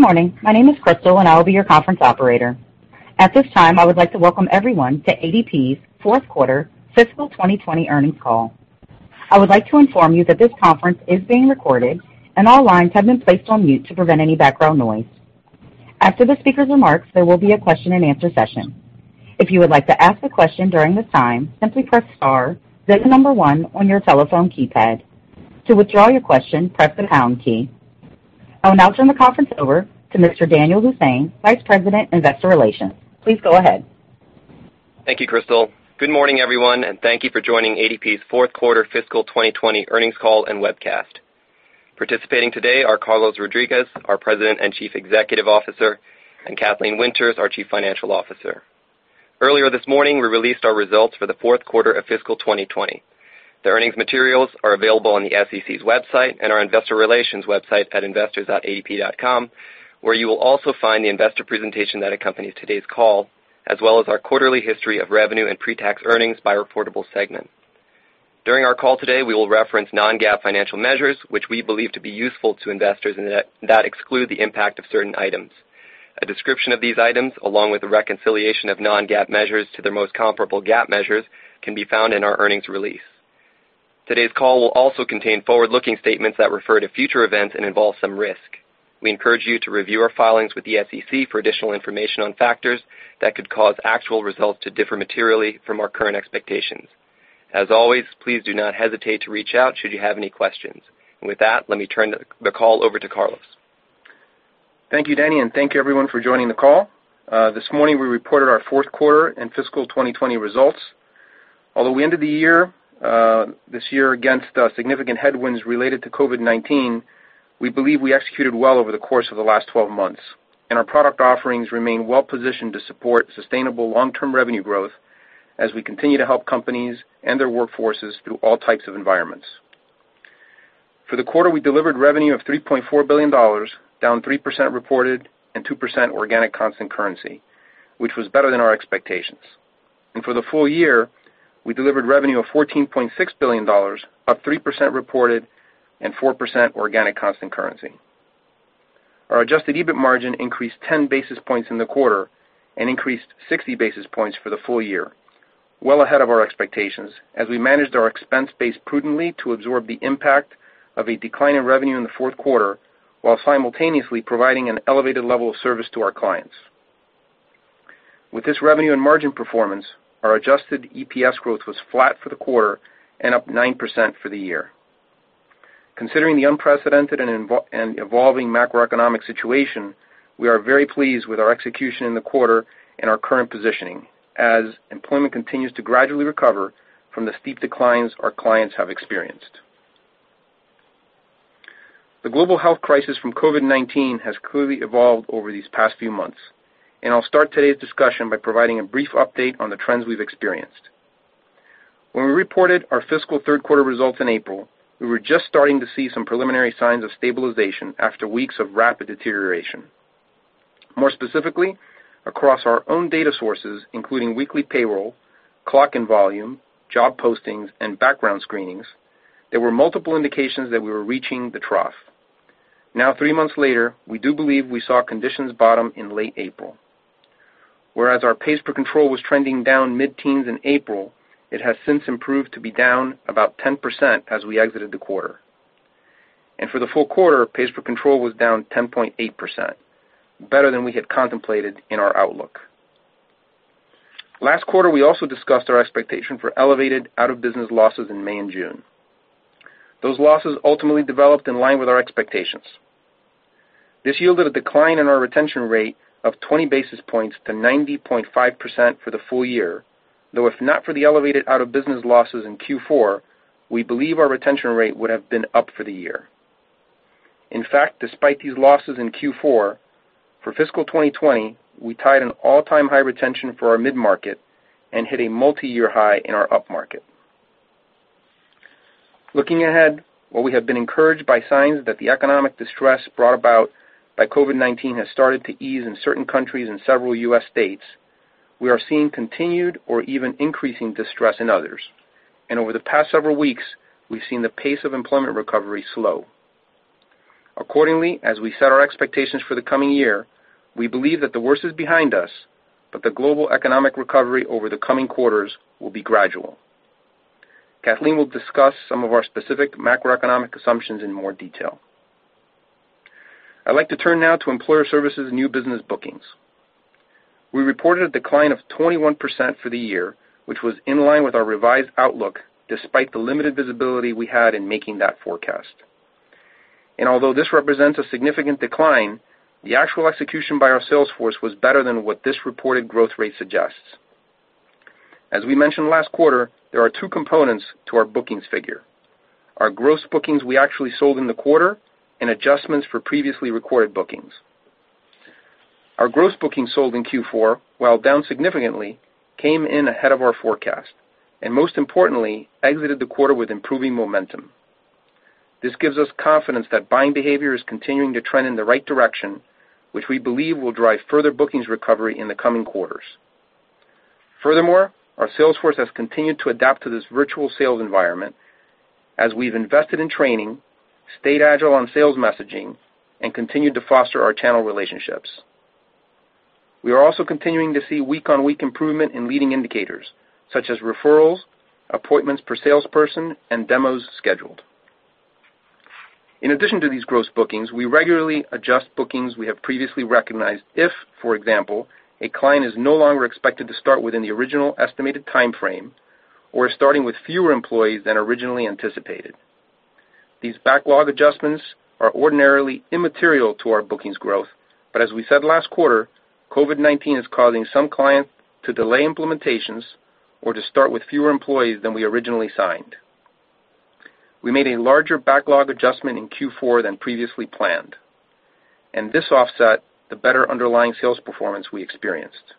Good morning. My name is Crystal, and I will be your conference operator. At this time, I would like to welcome everyone to ADP's Fourth Quarter Fiscal 2020 Earnings Call. I would like to inform you that this conference is being recorded, and all lines have been placed on mute to prevent any background noise. After the speaker's remarks, there will be a question and answer session. If you would like to ask a question during this time, simply press star then the number one on your telephone keypad. To withdraw your question, press the pound key. I will now turn the conference over to Mr. Danyal Hussain, Vice President, Investor Relations. Please go ahead. Thank you, Crystal. Good morning, everyone, and thank you for joining ADP's Fourth Quarter Fiscal 2020 Earnings Call and Webcast. Participating today are Carlos Rodriguez, our President and Chief Executive Officer, and Kathleen Winters, our Chief Financial Officer. Earlier this morning, we released our results for the fourth quarter of fiscal 2020. The earnings materials are available on the SEC's website and our investor relations website at investors.adp.com, where you will also find the investor presentation that accompanies today's call, as well as our quarterly history of revenue and pre-tax earnings by reportable segment. During our call today, we will reference non-GAAP financial measures, which we believe to be useful to investors and that exclude the impact of certain items. A description of these items, along with a reconciliation of non-GAAP measures to their most comparable GAAP measures, can be found in our earnings release. Today's call will also contain forward-looking statements that refer to future events and involve some risk. We encourage you to review our filings with the SEC for additional information on factors that could cause actual results to differ materially from our current expectations. As always, please do not hesitate to reach out should you have any questions. With that, let me turn the call over to Carlos. Thank you, Danyal, and thank you everyone for joining the call. This morning, we reported our fourth quarter and fiscal 2020 results. Although we ended the year, this year against significant headwinds related to COVID-19, we believe we executed well over the course of the last 12 months, and our product offerings remain well-positioned to support sustainable long-term revenue growth as we continue to help companies and their workforces through all types of environments. For the quarter, we delivered revenue of $3.4 billion, down 3% reported and 2% organic constant currency, which was better than our expectations. For the full year, we delivered revenue of $14.6 billion, up 3% reported and 4% organic constant currency. Our adjusted EBIT margin increased 10 basis points in the quarter and increased 60 basis points for the full year, well ahead of our expectations as we managed our expense base prudently to absorb the impact of a decline in revenue in the fourth quarter while simultaneously providing an elevated level of service to our clients. With this revenue and margin performance, our adjusted EPS growth was flat for the quarter and up 9% for the year. Considering the unprecedented and evolving macroeconomic situation, we are very pleased with our execution in the quarter and our current positioning as employment continues to gradually recover from the steep declines our clients have experienced. The global health crisis from COVID-19 has clearly evolved over these past few months, and I'll start today's discussion by providing a brief update on the trends we've experienced. When we reported our fiscal third quarter results in April, we were just starting to see some preliminary signs of stabilization after weeks of rapid deterioration. More specifically, across our own data sources, including weekly payroll, clocking volume, job postings, and background screenings, there were multiple indications that we were reaching the trough. Three months later, we do believe we saw conditions bottom in late April. Whereas our pays per control was trending down mid-teens in April, it has since improved to be down about 10% as we exited the quarter. For the full quarter, pays per control was down 10.8%, better than we had contemplated in our outlook. Last quarter, we also discussed our expectation for elevated out-of-business losses in May and June. Those losses ultimately developed in line with our expectations. This yielded a decline in our retention rate of 20 basis points to 90.5% for the full year, though if not for the elevated out-of-business losses in Q4, we believe our retention rate would have been up for the year. In fact, despite these losses in Q4, for fiscal 2020, we tied an all-time high retention for our mid-market and hit a multiyear high in our upmarket. Looking ahead, while we have been encouraged by signs that the economic distress brought about by COVID-19 has started to ease in certain countries and several U.S. states, we are seeing continued or even increasing distress in others. Over the past several weeks, we've seen the pace of employment recovery slow. Accordingly, as we set our expectations for the coming year, we believe that the worst is behind us, but the global economic recovery over the coming quarters will be gradual. Kathleen will discuss some of our specific macroeconomic assumptions in more detail. I'd like to turn now to Employer Services new business bookings. We reported a decline of 21% for the year, which was in line with our revised outlook despite the limited visibility we had in making that forecast. Although this represents a significant decline, the actual execution by our sales force was better than what this reported growth rate suggests. As we mentioned last quarter, there are two components to our bookings figure, our gross bookings we actually sold in the quarter and adjustments for previously recorded bookings. Our gross bookings sold in Q4, while down significantly, came in ahead of our forecast, and most importantly, exited the quarter with improving momentum. This gives us confidence that buying behavior is continuing to trend in the right direction, which we believe will drive further bookings recovery in the coming quarters. Our sales force has continued to adapt to this virtual sales environment as we've invested in training, stayed agile on sales messaging, and continued to foster our channel relationships. We are also continuing to see week-on-week improvement in leading indicators, such as referrals, appointments per salesperson, and demos scheduled. In addition to these gross bookings, we regularly adjust bookings we have previously recognized if, for example, a client is no longer expected to start within the original estimated timeframe or is starting with fewer employees than originally anticipated. These backlog adjustments are ordinarily immaterial to our bookings growth, but as we said last quarter, COVID-19 is causing some clients to delay implementations or to start with fewer employees than we originally signed. We made a larger backlog adjustment in Q4 than previously planned, and this offset the better underlying sales performance we experienced.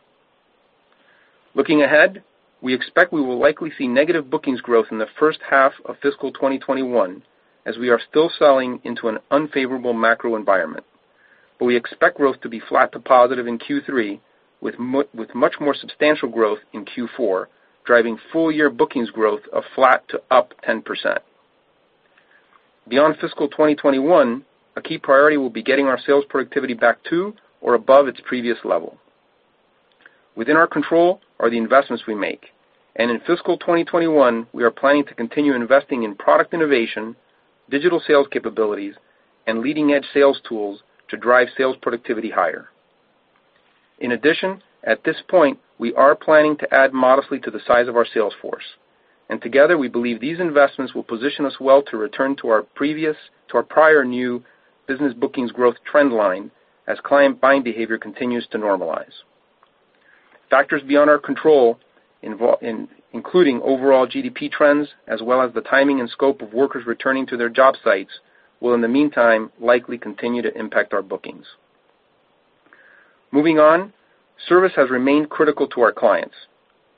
Looking ahead, we expect we will likely see negative bookings growth in the first half of fiscal 2021, as we are still selling into an unfavorable macro environment. We expect growth to be flat to positive in Q3, with much more substantial growth in Q4, driving full-year bookings growth of flat to up 10%. Beyond fiscal 2021, a key priority will be getting our sales productivity back to or above its previous level. In fiscal 2021, we are planning to continue investing in product innovation, digital sales capabilities, and leading-edge sales tools to drive sales productivity higher. At this point, we are planning to add modestly to the size of our sales force, and together, we believe these investments will position us well to return to our prior new business bookings growth trend line as client buying behavior continues to normalize. Factors beyond our control, including overall GDP trends, as well as the timing and scope of workers returning to their job sites, will in the meantime likely continue to impact our bookings. Moving on, service has remained critical to our clients.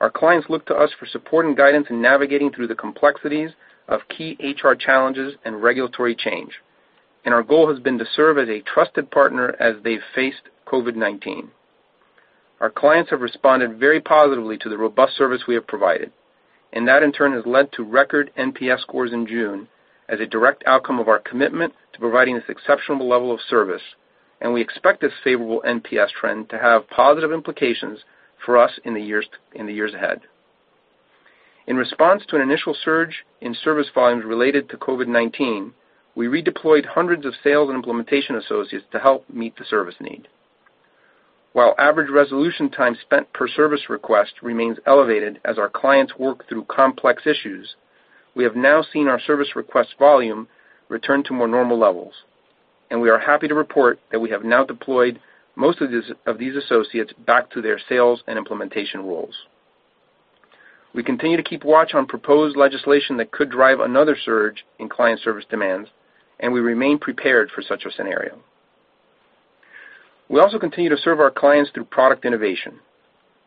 Our clients look to us for support and guidance in navigating through the complexities of key HR challenges and regulatory change. Our goal has been to serve as a trusted partner as they've faced COVID-19. Our clients have responded very positively to the robust service we have provided. That in turn, has led to record NPS scores in June as a direct outcome of our commitment to providing this exceptional level of service. We expect this favorable NPS trend to have positive implications for us in the years ahead. In response to an initial surge in service volumes related to COVID-19, we redeployed hundreds of sales and implementation associates to help meet the service need. While average resolution time spent per service request remains elevated as our clients work through complex issues, we have now seen our service request volume return to more normal levels. We are happy to report that we have now deployed most of these associates back to their sales and implementation roles. We continue to keep watch on proposed legislation that could drive another surge in client service demands, and we remain prepared for such a scenario. We also continue to serve our clients through product innovation.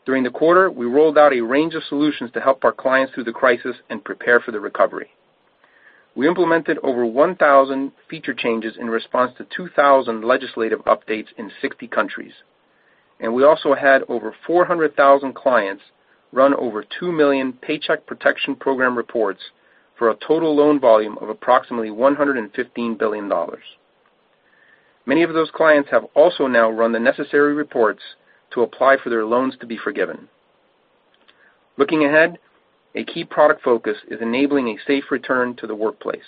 During the quarter, we rolled out a range of solutions to help our clients through the crisis and prepare for the recovery. We implemented over 1,000 feature changes in response to 2,000 legislative updates in 60 countries, and we also had over 400,000 clients run over 2 million Paycheck Protection Program reports for a total loan volume of approximately $115 billion. Many of those clients have also now run the necessary reports to apply for their loans to be forgiven. Looking ahead, a key product focus is enabling a safe return to the workplace,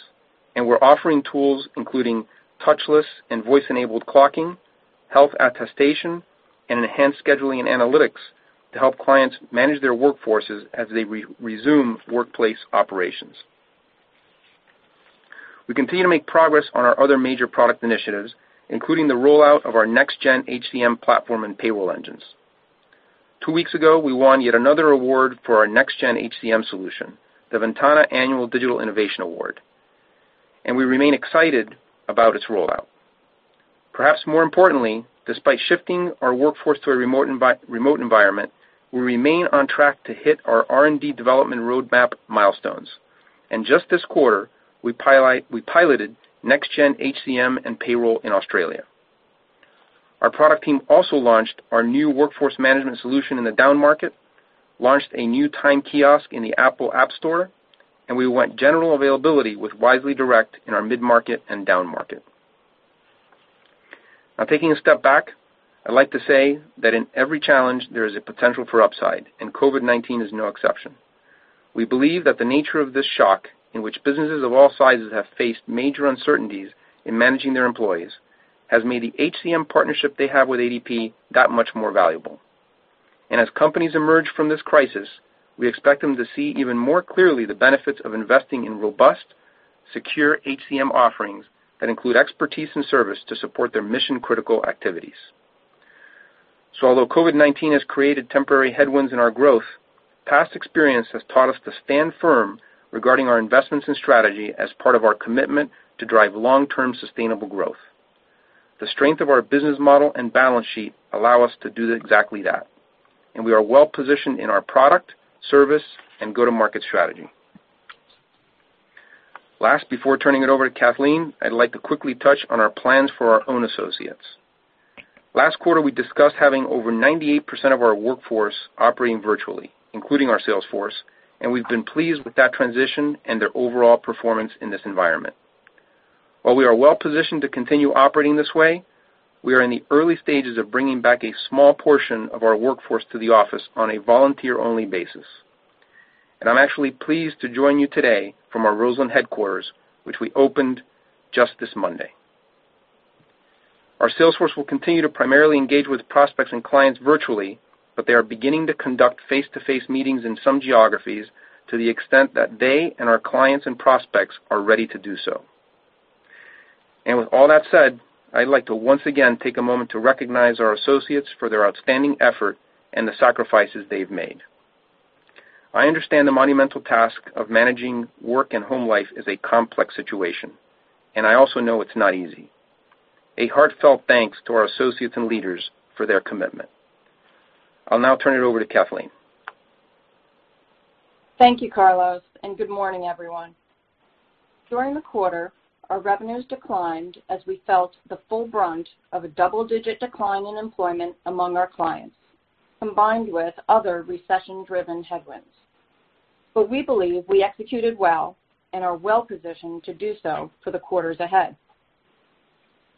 and we're offering tools including touchless and voice-enabled clocking, health attestation, and enhanced scheduling and analytics to help clients manage their workforces as they resume workplace operations. We continue to make progress on our other major product initiatives, including the rollout of our Next Gen HCM platform and payroll engines. Two weeks ago, we won yet another award for our Next Gen HCM solution, the Ventana Research Digital Innovation Award. We remain excited about its rollout. Perhaps more importantly, despite shifting our workforce to a remote environment, we remain on track to hit our R&D development roadmap milestones. Just this quarter, we piloted Next Gen HCM and payroll in Australia. Our product team also launched our new workforce management solution in the downmarket, launched a new time kiosk in the Apple App Store, and we went general availability with Wisely Direct in our mid-market and downmarket. Taking a step back, I'd like to say that in every challenge, there is a potential for upside, and COVID-19 is no exception. We believe that the nature of this shock, in which businesses of all sizes have faced major uncertainties in managing their employees, has made the HCM partnership they have with ADP that much more valuable. As companies emerge from this crisis, we expect them to see even more clearly the benefits of investing in robust, secure HCM offerings that include expertise and service to support their mission-critical activities. Although COVID-19 has created temporary headwinds in our growth, past experience has taught us to stand firm regarding our investments and strategy as part of our commitment to drive long-term sustainable growth. The strength of our business model and balance sheet allow us to do exactly that, and we are well positioned in our product, service, and go-to-market strategy. Last, before turning it over to Kathleen, I'd like to quickly touch on our plans for our own associates. Last quarter, we discussed having over 98% of our workforce operating virtually, including our sales force, and we've been pleased with that transition and their overall performance in this environment. While we are well-positioned to continue operating this way, we are in the early stages of bringing back a small portion of our workforce to the office on a volunteer-only basis. I'm actually pleased to join you today from our Roseland headquarters, which we opened just this Monday. Our sales force will continue to primarily engage with prospects and clients virtually, but they are beginning to conduct face-to-face meetings in some geographies to the extent that they and our clients and prospects are ready to do so. With all that said, I'd like to once again take a moment to recognize our associates for their outstanding effort and the sacrifices they've made. I understand the monumental task of managing work and home life is a complex situation, and I also know it's not easy. A heartfelt thanks to our associates and leaders for their commitment. I'll now turn it over to Kathleen. Thank you, Carlos, and good morning, everyone. During the quarter, our revenues declined as we felt the full brunt of a double-digit decline in employment among our clients, combined with other recession-driven headwinds. We believe we executed well and are well-positioned to do so for the quarters ahead.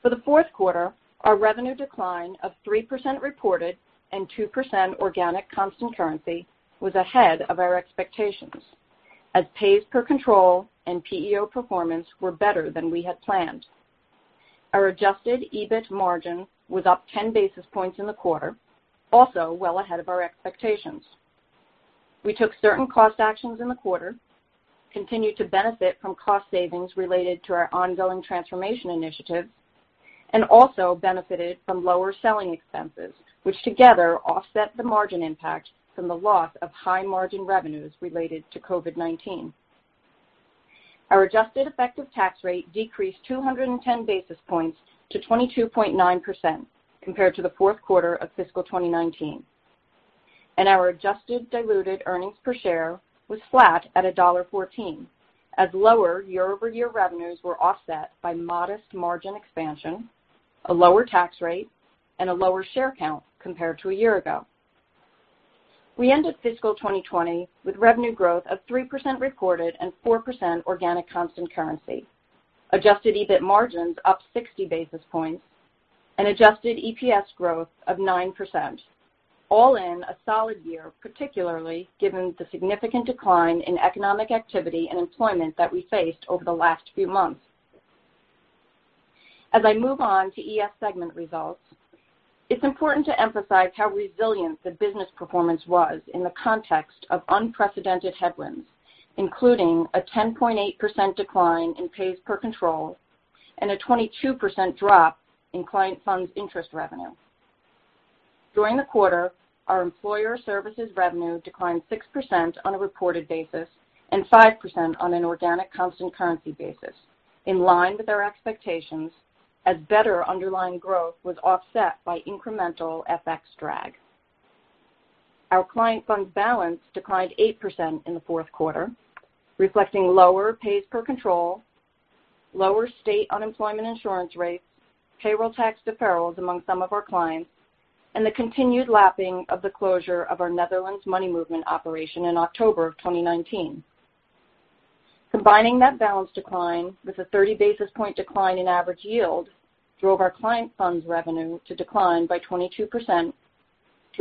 For the fourth quarter, our revenue decline of 3% reported and 2% organic constant currency was ahead of our expectations, as pays per control and PEO performance were better than we had planned. Our adjusted EBIT margin was up 10 basis points in the quarter, also well ahead of our expectations. We took certain cost actions in the quarter, continued to benefit from cost savings related to our ongoing transformation initiatives, and also benefited from lower selling expenses, which together offset the margin impact from the loss of high-margin revenues related to COVID-19. Our adjusted effective tax rate decreased 210 basis points to 22.9% compared to the fourth quarter of fiscal 2019. Our adjusted diluted earnings per share was flat at $1.14, as lower year-over-year revenues were offset by modest margin expansion, a lower tax rate, and a lower share count compared to a year ago. We ended fiscal 2020 with revenue growth of 3% reported and 4% organic constant currency, adjusted EBIT margins up 60 basis points, and adjusted EPS growth of 9%, all in a solid year, particularly given the significant decline in economic activity and employment that we faced over the last few months. As I move on to ES segment results, it's important to emphasize how resilient the business performance was in the context of unprecedented headwinds, including a 10.8% decline in pays per control and a 22% drop in client funds interest revenue. During the quarter, our Employer Services revenue declined 6% on a reported basis and 5% on an organic constant currency basis, in line with our expectations, as better underlying growth was offset by incremental FX drag. Our client funds balance declined 8% in the fourth quarter, reflecting lower pays per control, lower state unemployment insurance rates, payroll tax deferrals among some of our clients, and the continued lapping of the closure of our Netherlands money movement operation in October of 2019. Combining that balance decline with a 30 basis point decline in average yield drove our client funds revenue to decline by 22% to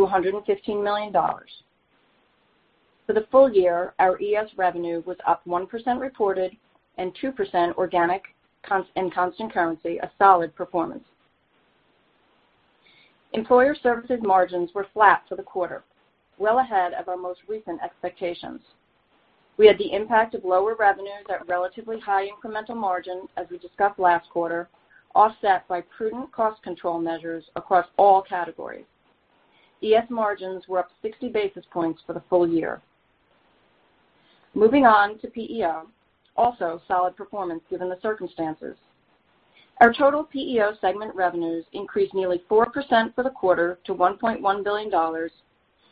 $115 million. For the full year, our ES revenue was up 1% reported and 2% organic in constant currency, a solid performance. Employer Services margins were flat for the quarter, well ahead of our most recent expectations. We had the impact of lower revenues at relatively high incremental margins as we discussed last quarter, offset by prudent cost control measures across all categories. ES margins were up 60 basis points for the full year. Moving on to PEO, also solid performance given the circumstances. Our total PEO segment revenues increased nearly 4% for the quarter to $1.1 billion,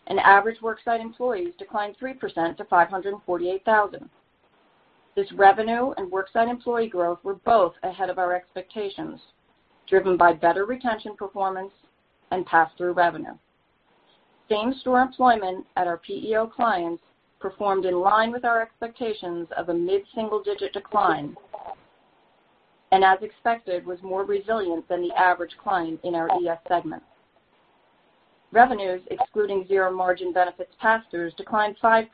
and average worksite employees declined 3% to 548,000. This revenue and worksite employee growth were both ahead of our expectations, driven by better retention performance and pass-through revenue. Same-store employment at our PEO clients performed in line with our expectations of a mid-single-digit decline, and as expected, was more resilient than the average client in our ES segment. Revenues, excluding zero-margin benefits pass-throughs, declined 5%.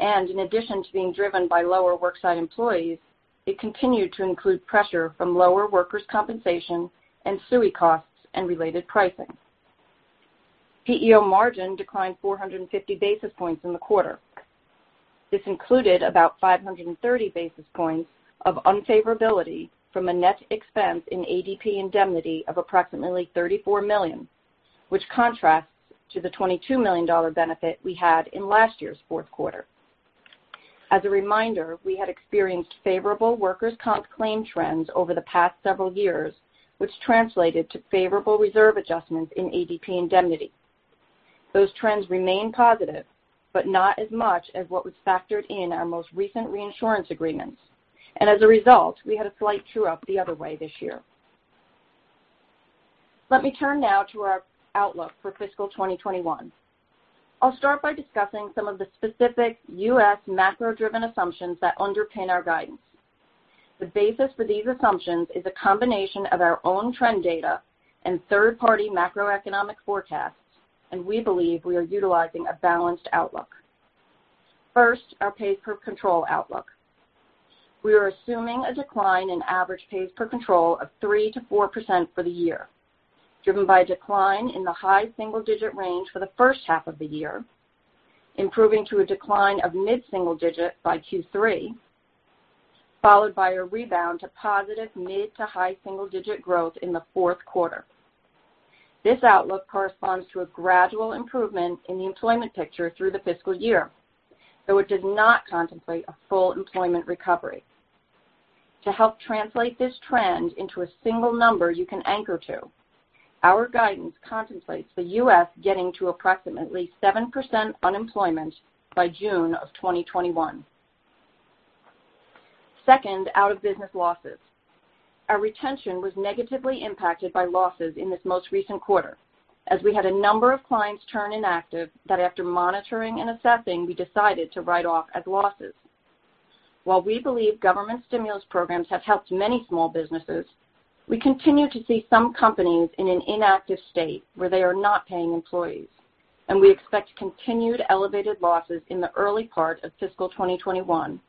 In addition to being driven by lower worksite employees, it continued to include pressure from lower workers' compensation and SUI costs and related pricing. PEO margin declined 450 basis points in the quarter. This included about 530 basis points of unfavorability from a net expense in ADP Indemnity of approximately $34 million, which contrasts to the $22 million benefit we had in last year's fourth quarter. As a reminder, we had experienced favorable workers' comp claim trends over the past several years, which translated to favorable reserve adjustments in ADP Indemnity. Those trends remain positive, but not as much as what was factored in our most recent reinsurance agreements. As a result, we had a slight true-up the other way this year. Let me turn now to our outlook for fiscal 2021. I'll start by discussing some of the specific U.S. macro-driven assumptions that underpin our guidance. The basis for these assumptions is a combination of our own trend data and third-party macroeconomic forecasts, and we believe we are utilizing a balanced outlook. First, our pays per control outlook. We are assuming a decline in average pays per control of 3%-4% for the year, driven by a decline in the high single-digit range for the first half of the year, improving to a decline of mid-single digit by Q3, followed by a rebound to positive mid to high single-digit growth in the fourth quarter. This outlook corresponds to a gradual improvement in the employment picture through the fiscal year, though it does not contemplate a full employment recovery. To help translate this trend into a single number you can anchor to, our guidance contemplates the U.S. getting to approximately 7% unemployment by June of 2021. Second, out-of-business losses. Our retention was negatively impacted by losses in this most recent quarter, as we had a number of clients turn inactive that after monitoring and assessing, we decided to write off as losses. While we believe government stimulus programs have helped many small businesses, we continue to see some companies in an inactive state where they are not paying employees, and we expect continued elevated losses in the early part of fiscal 2021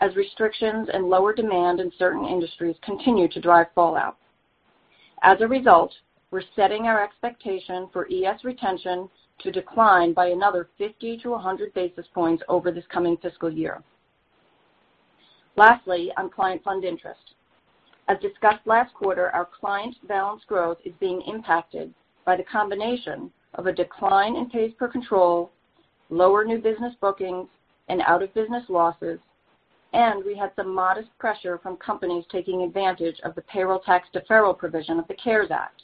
as restrictions and lower demand in certain industries continue to drive fallout. We're setting our expectation for ES retention to decline by another 50 to 100 basis points over this coming fiscal year. On client fund interest. As discussed last quarter, our client balance growth is being impacted by the combination of a decline in pays per control, lower new business bookings, and out-of-business losses, and we had some modest pressure from companies taking advantage of the payroll tax deferral provision of the CARES Act.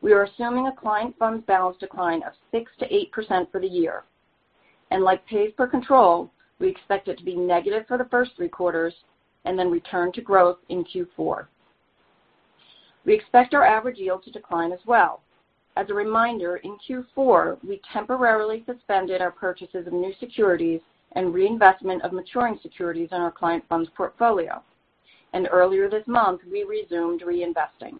We are assuming a client funds balance decline of 6%-8% for the year, and like pays per control, we expect it to be negative for the first three quarters and then return to growth in Q4. We expect our average yield to decline as well. As a reminder, in Q4, we temporarily suspended our purchases of new securities and reinvestment of maturing securities in our client funds portfolio. Earlier this month, we resumed reinvesting.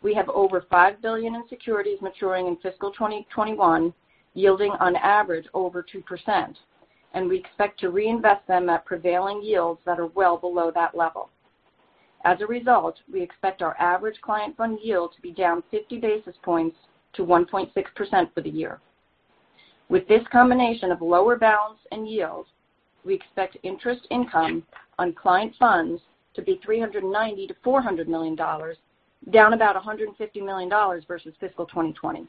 We have over $5 billion in securities maturing in fiscal 2021 yielding on average over 2%. We expect to reinvest them at prevailing yields that are well below that level. As a result, we expect our average client fund yield to be down 50 basis points to 1.6% for the year. With this combination of lower balance and yields, we expect interest income on client funds to be $390 million-$400 million, down about $150 million versus fiscal 2020.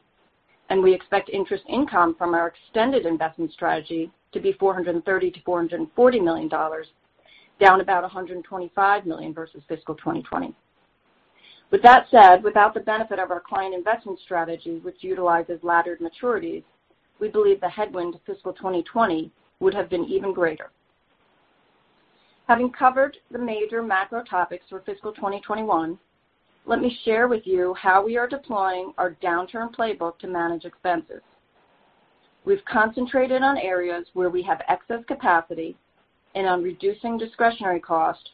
We expect interest income from our extended investment strategy to be $430 million-$440 million, down about $125 million versus fiscal 2020. With that said, without the benefit of our client investment strategy, which utilizes laddered maturities, we believe the headwind to fiscal 2020 would have been even greater. Having covered the major macro topics for fiscal 2021, let me share with you how we are deploying our downturn playbook to manage expenses. We've concentrated on areas where we have excess capacity and on reducing discretionary costs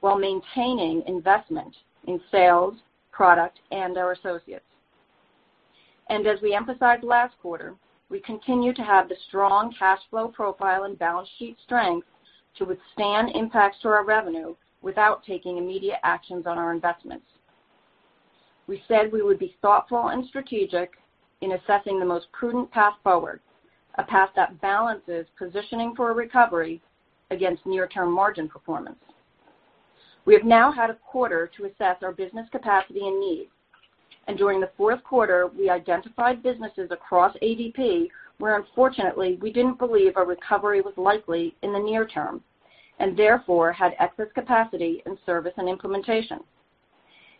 while maintaining investment in sales, product, and our associates. As we emphasized last quarter, we continue to have the strong cash flow profile and balance sheet strength to withstand impacts to our revenue without taking immediate actions on our investments. We said we would be thoughtful and strategic in assessing the most prudent path forward, a path that balances positioning for a recovery against near-term margin performance. We have now had a quarter to assess our business capacity and needs, and during the fourth quarter, we identified businesses across ADP where unfortunately, we didn't believe a recovery was likely in the near term, and therefore had excess capacity in service and implementation.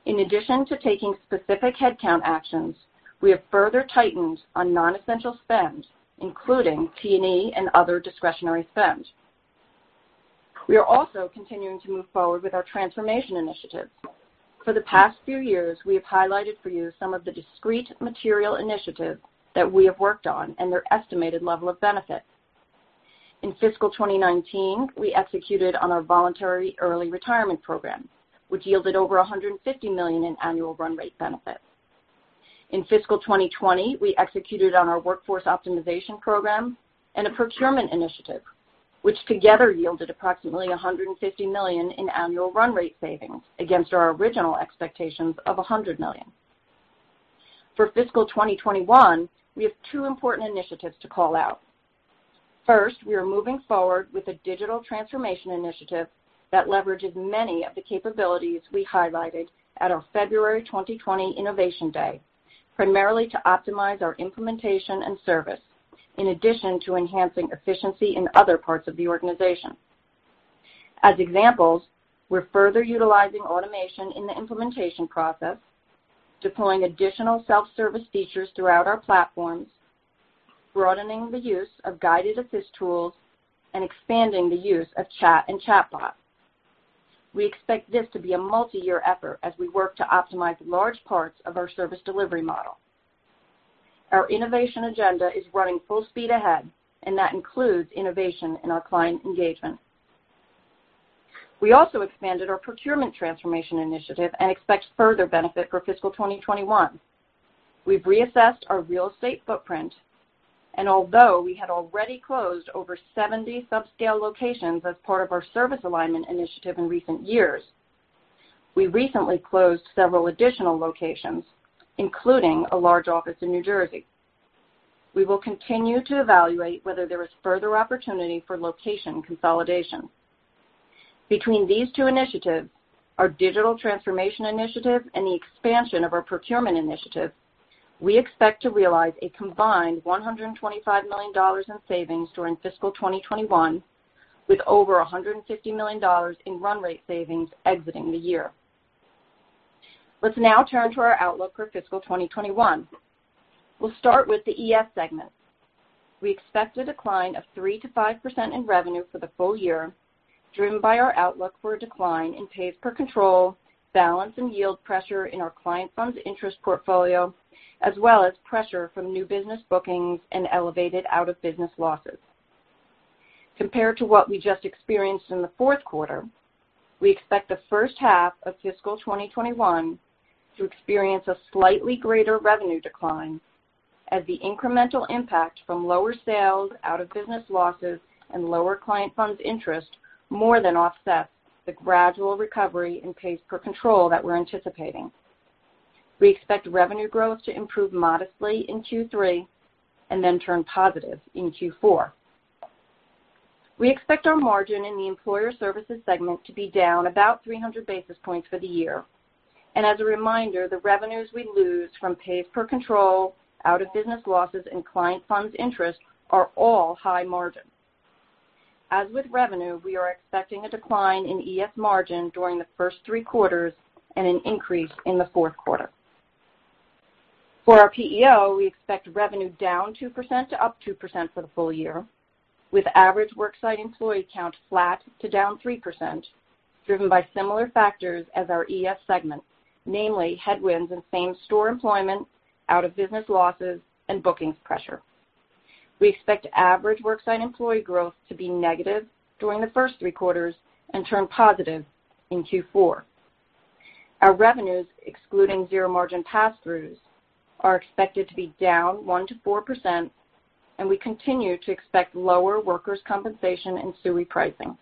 In addition to taking specific headcount actions, we have further tightened on non-essential spend, including T&E and other discretionary spend. We are also continuing to move forward with our transformation initiatives. For the past few years, we have highlighted for you some of the discrete material initiatives that we have worked on and their estimated level of benefit. In fiscal 2019, we executed on our voluntary early retirement program, which yielded over $150 million in annual run rate benefits. In fiscal 2020, we executed on our workforce optimization program and a procurement initiative, which together yielded approximately $150 million in annual run rate savings against our original expectations of $100 million. For fiscal 2021, we have two important initiatives to call out. First, we are moving forward with a digital transformation initiative that leverages many of the capabilities we highlighted at our February 2020 Innovation Day, primarily to optimize our implementation and service, in addition to enhancing efficiency in other parts of the organization. As examples, we're further utilizing automation in the implementation process, deploying additional self-service features throughout our platforms, broadening the use of guided assist tools, and expanding the use of chat and chatbot. We expect this to be a multi-year effort as we work to optimize large parts of our service delivery model. Our innovation agenda is running full speed ahead, and that includes innovation in our client engagement. We also expanded our procurement transformation initiative and expect further benefit for fiscal 2021. We've reassessed our real estate footprint, and although we had already closed over 70 sub-scale locations as part of our service alignment initiative in recent years, we recently closed several additional locations, including a large office in New Jersey. We will continue to evaluate whether there is further opportunity for location consolidation. Between these two initiatives, our digital transformation initiative and the expansion of our procurement initiative, we expect to realize a combined $125 million in savings during fiscal 2021, with over $150 million in run rate savings exiting the year. Let's now turn to our outlook for fiscal 2021. We'll start with the ES segment. We expect a decline of 3%-5% in revenue for the full year, driven by our outlook for a decline in pays per control, balance and yield pressure in our client funds interest portfolio, as well as pressure from new business bookings and elevated out-of-business losses. Compared to what we just experienced in the fourth quarter, we expect the first half of fiscal 2021 to experience a slightly greater revenue decline as the incremental impact from lower sales, out-of-business losses, and lower client funds interest more than offsets the gradual recovery in pays per control that we're anticipating. We expect revenue growth to improve modestly in Q3 and then turn positive in Q4. We expect our margin in the Employer Services segment to be down about 300 basis points for the year. As a reminder, the revenues we lose from pays per control, out-of-business losses, and client funds interest are all high margin. As with revenue, we are expecting a decline in ES margin during the first three quarters and an increase in the fourth quarter. For our PEO, we expect revenue down 2% to up 2% for the full year, with average worksite employee count flat to down 3%, driven by similar factors as our ES segment, namely headwinds in same-store employment, out-of-business losses, and bookings pressure. We expect average worksite employee growth to be negative during the first three quarters and turn positive in Q4. Our revenues, excluding zero-margin passthroughs, are expected to be down 1% to 4%, and we continue to expect lower workers' compensation and SUI pricing.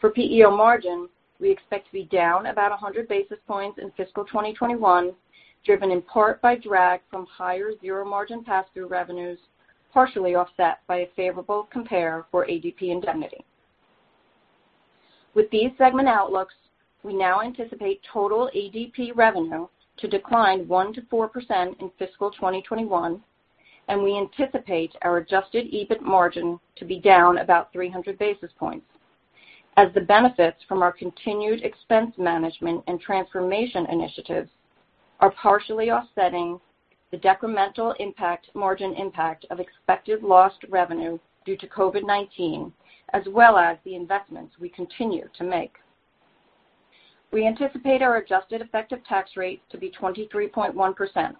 For PEO margin, we expect to be down about 100 basis points in fiscal 2021, driven in part by drag from higher zero-margin passthrough revenues, partially offset by a favorable compare for ADP Indemnity. With these segment outlooks, we now anticipate total ADP revenue to decline 1%-4% in fiscal 2021, and we anticipate our adjusted EBIT margin to be down about 300 basis points, as the benefits from our continued expense management and transformation initiatives are partially offsetting the decremental margin impact of expected lost revenue due to COVID-19, as well as the investments we continue to make. We anticipate our adjusted effective tax rate to be 23.1%.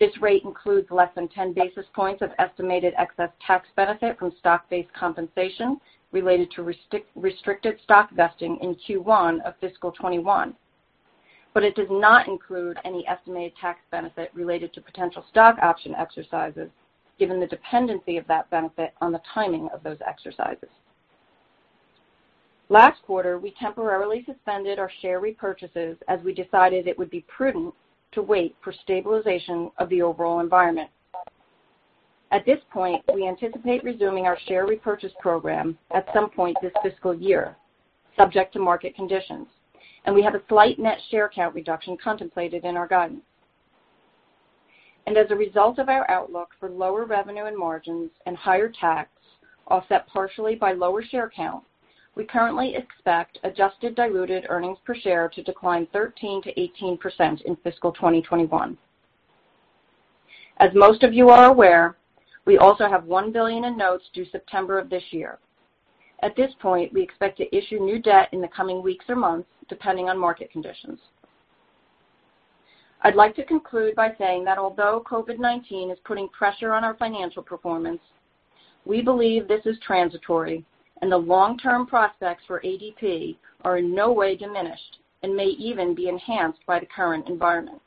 This rate includes less than 10 basis points of estimated excess tax benefit from stock-based compensation related to restricted stock vesting in Q1 of fiscal 2021. It does not include any estimated tax benefit related to potential stock option exercises, given the dependency of that benefit on the timing of those exercises. Last quarter, we temporarily suspended our share repurchases as we decided it would be prudent to wait for stabilization of the overall environment. At this point, we anticipate resuming our share repurchase program at some point this fiscal year, subject to market conditions, and we have a slight net share count reduction contemplated in our guidance. As a result of our outlook for lower revenue and margins and higher tax, offset partially by lower share count, we currently expect adjusted diluted earnings per share to decline 13%-18% in fiscal 2021. As most of you are aware, we also have $1 billion in notes due September of this year. At this point, we expect to issue new debt in the coming weeks or months, depending on market conditions. I'd like to conclude by saying that although COVID-19 is putting pressure on our financial performance, we believe this is transitory and the long-term prospects for ADP are in no way diminished and may even be enhanced by the current environment.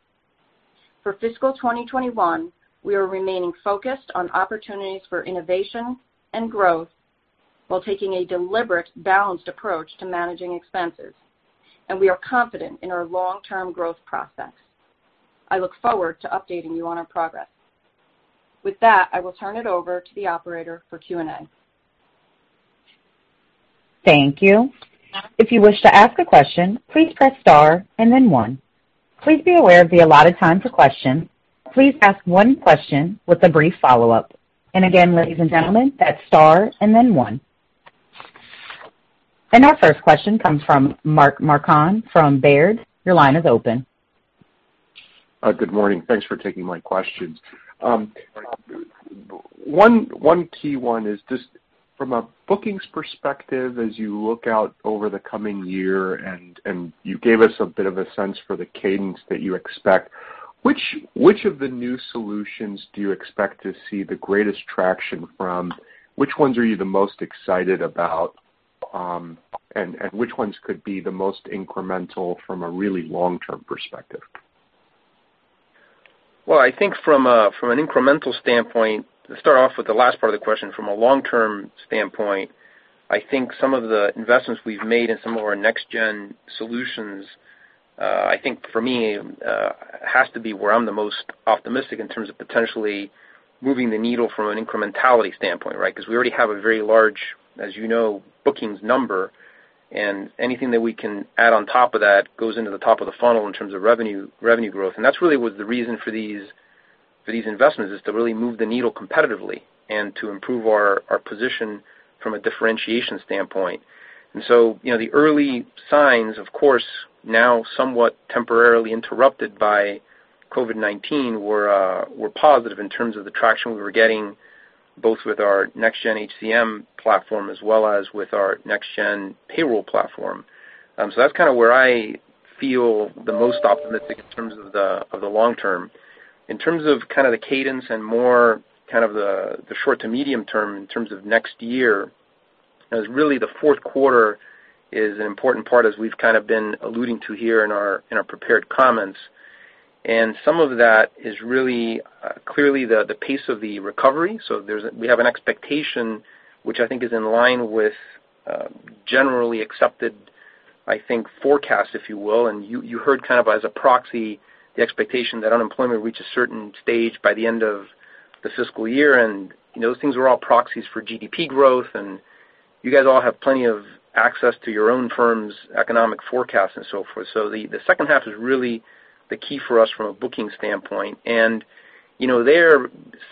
For fiscal 2021, we are remaining focused on opportunities for innovation and growth while taking a deliberate, balanced approach to managing expenses, and we are confident in our long-term growth prospects. I look forward to updating you on our progress. With that, I will turn it over to the operator for Q&A. Thank you. If you wish to ask a question, please press star and then one. Please be aware of the allotted time for questions. Please ask one question with a brief follow-up. Again, ladies and gentlemen, that's star and then one. Our first question comes from Mark Marcon from Baird. Your line is open. Good morning. Thanks for taking my questions. One key one is just from a bookings perspective, as you look out over the coming year, and you gave us a bit of a sense for the cadence that you expect, which of the new solutions do you expect to see the greatest traction from? Which ones are you the most excited about? Which ones could be the most incremental from a really long-term perspective? Well, I think from an incremental standpoint, to start off with the last part of the question, from a long-term standpoint, I think some of the investments we've made in some of our next-gen solutions, I think for me, has to be where I'm the most optimistic in terms of potentially moving the needle from an incrementality standpoint, right? Because we already have a very large, as you know, bookings number, and anything that we can add on top of that goes into the top of the funnel in terms of revenue growth. That really was the reason for these investments, is to really move the needle competitively and to improve our position from a differentiation standpoint. The early signs, of course, now somewhat temporarily interrupted by COVID-19, were positive in terms of the traction we were getting, both with our Next Gen HCM platform as well as with our NextGen Payroll platform. That's kind of where I feel the most optimistic in terms of the long term. In terms of the cadence and more the short to medium term in terms of next year, as really the fourth quarter is an important part, as we've kind of been alluding to here in our prepared comments. Some of that is really clearly the pace of the recovery. We have an expectation, which I think is in line with generally accepted, I think, forecast, if you will. You heard kind of as a proxy, the expectation that unemployment will reach a certain stage by the end of the fiscal year, and those things are all proxies for GDP growth, and you guys all have plenty of access to your own firm's economic forecast and so forth. The second half is really the key for us from a booking standpoint. There,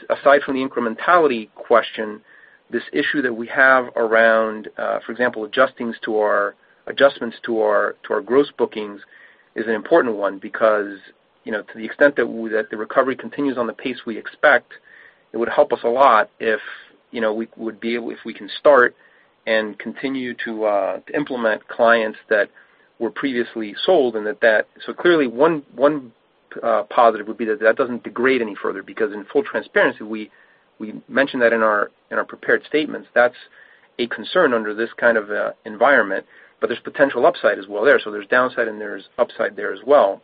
aside from the incrementality question, this issue that we have around, for example, adjustments to our gross bookings is an important one because, to the extent that the recovery continues on the pace we expect, it would help us a lot if we can start and continue to implement clients that were previously sold. Clearly one positive would be that doesn't degrade any further because in full transparency, we mentioned that in our prepared statements, that's a concern under this kind of environment, but there's potential upside as well there. There's downside and there's upside there as well.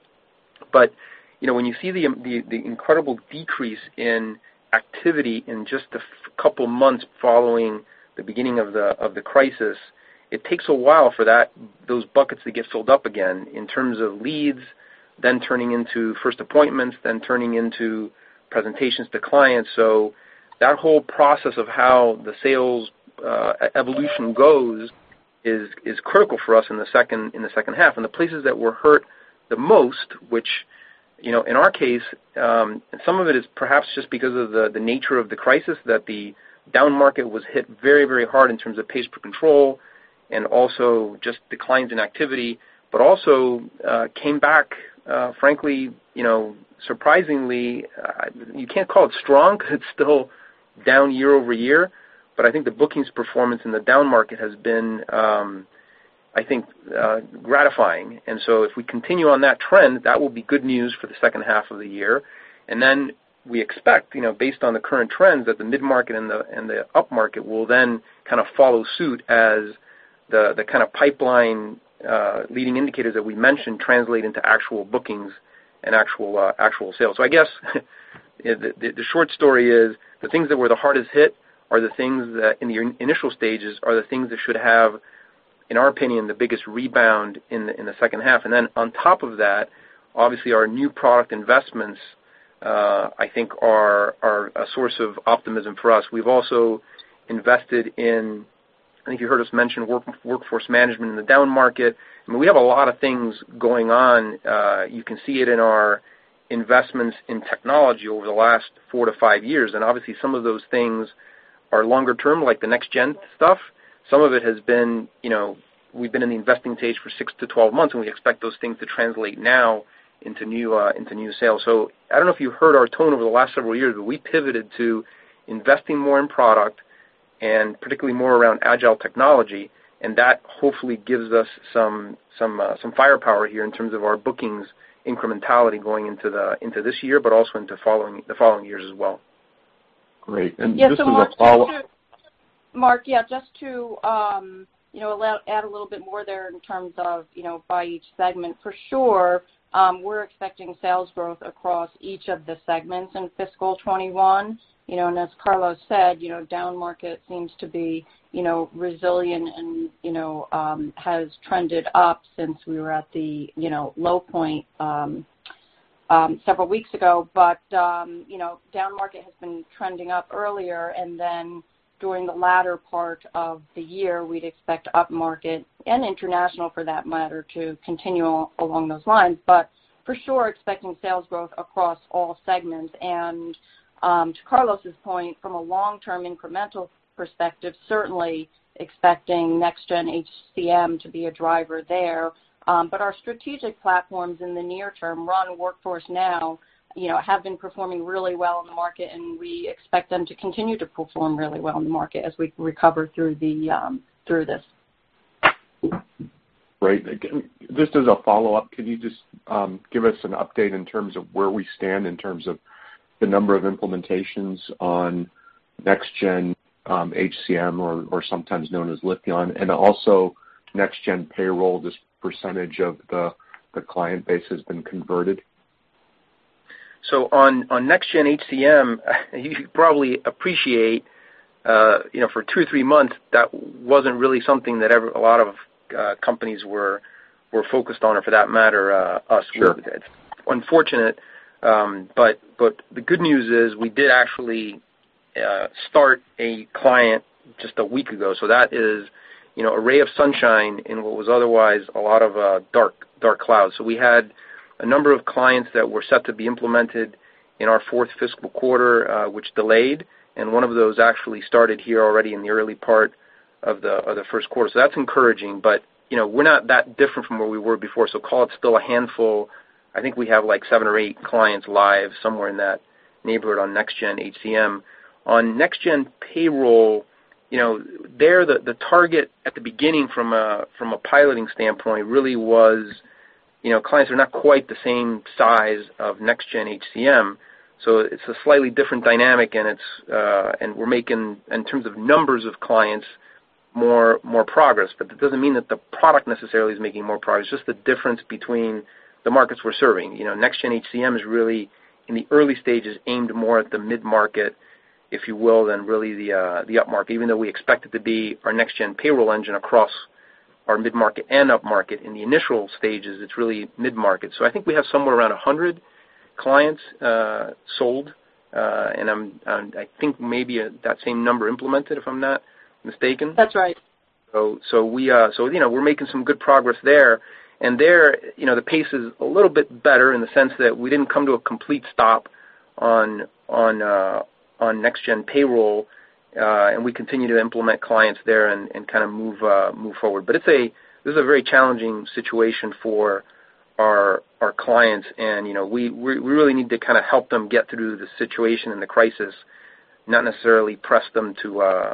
When you see the incredible decrease in activity in just the couple of months following the beginning of the crisis, it takes a while for those buckets to get filled up again in terms of leads, then turning into first appointments, then turning into presentations to clients. That whole process of how the sales evolution goes is critical for us in the second half. The places that were hurt the most, which in our case, some of it is perhaps just because of the nature of the crisis, that the downmarket was hit very hard in terms of pays per control and also just declines in activity, but also, came back, frankly, surprisingly, you can't call it strong because it's still down year-over-year, but I think the bookings performance in the downmarket has been, I think, gratifying. If we continue on that trend, that will be good news for the second half of the year. We expect, based on the current trends, that the mid-market and the upmarket will then kind of follow suit as the kind of pipeline leading indicators that we mentioned translate into actual bookings and actual sales. I guess the short story is, the things that were the hardest hit in the initial stages are the things that should have, in our opinion, the biggest rebound in the second half. On top of that, obviously our new product investments, I think are a source of optimism for us. We've also invested in, I think you heard us mention workforce management in the downmarket. I mean, we have a lot of things going on. You can see it in our investments in technology over the last four to five years. Obviously some of those things are longer term, like the next-gen stuff. Some of it has been, we've been in the investing stage for 6-12 months, we expect those things to translate now into new sales. I don't know if you heard our tone over the last several years, we pivoted to investing more in product and particularly more around agile technology, that hopefully gives us some firepower here in terms of our bookings incrementality going into this year, but also into the following years as well. Great. Just as a follow-up. Mark, yeah, just to add a little bit more there in terms of by each segment, for sure, we're expecting sales growth across each of the segments in fiscal 2021. As Carlos said, downmarket seems to be resilient and has trended up since we were at the low point. Several weeks ago, down market has been trending up earlier, and then during the latter part of the year, we'd expect upmarket, and international for that matter, to continue along those lines. For sure, expecting sales growth across all segments. To Carlos's point, from a long-term incremental perspective, certainly expecting Next Gen HCM to be a driver there. Our strategic platforms in the near term, RUN and Workforce Now, have been performing really well in the market, and we expect them to continue to perform really well in the market as we recover through this. Great. Just as a follow-up, can you just give us an update in terms of where we stand in terms of the number of implementations on Next Gen HCM, or sometimes known as Lifion, and also NextGen Payroll, just percentage of the client base that's been converted? On Next Gen HCM, you probably appreciate, for two or three months, that wasn't really something that a lot of companies were focused on, or for that matter, us. Sure. Unfortunate. The good news is we did actually start a client just a week ago, so that is a ray of sunshine in what was otherwise a lot of dark clouds. We had a number of clients that were set to be implemented in our fourth fiscal quarter, which delayed, and one of those actually started here already in the early part of the first quarter. That's encouraging, but we're not that different from where we were before, so call it still a handful. I think we have seven or eight clients live, somewhere in that neighborhood, on Next Gen HCM. On NextGen Payroll, there, the target at the beginning from a piloting standpoint really was, clients are not quite the same size of Next Gen HCM, so it's a slightly different dynamic, and we're making, in terms of numbers of clients, more progress. That doesn't mean that the product necessarily is making more progress, it's just the difference between the markets we're serving. Next Gen HCM is really, in the early stages, aimed more at the mid-market, if you will, than really the upmarket. Even though we expect it to be our NextGen Payroll engine across our mid-market and upmarket, in the initial stages, it's really mid-market. I think we have somewhere around 100 clients sold, and I think maybe that same number implemented, if I'm not mistaken. That's right. We're making some good progress there. There, the pace is a little bit better in the sense that we didn't come to a complete stop on NextGen Payroll, and we continue to implement clients there and kind of move forward. This is a very challenging situation for our clients, and we really need to kind of help them get through the situation and the crisis, not necessarily press them to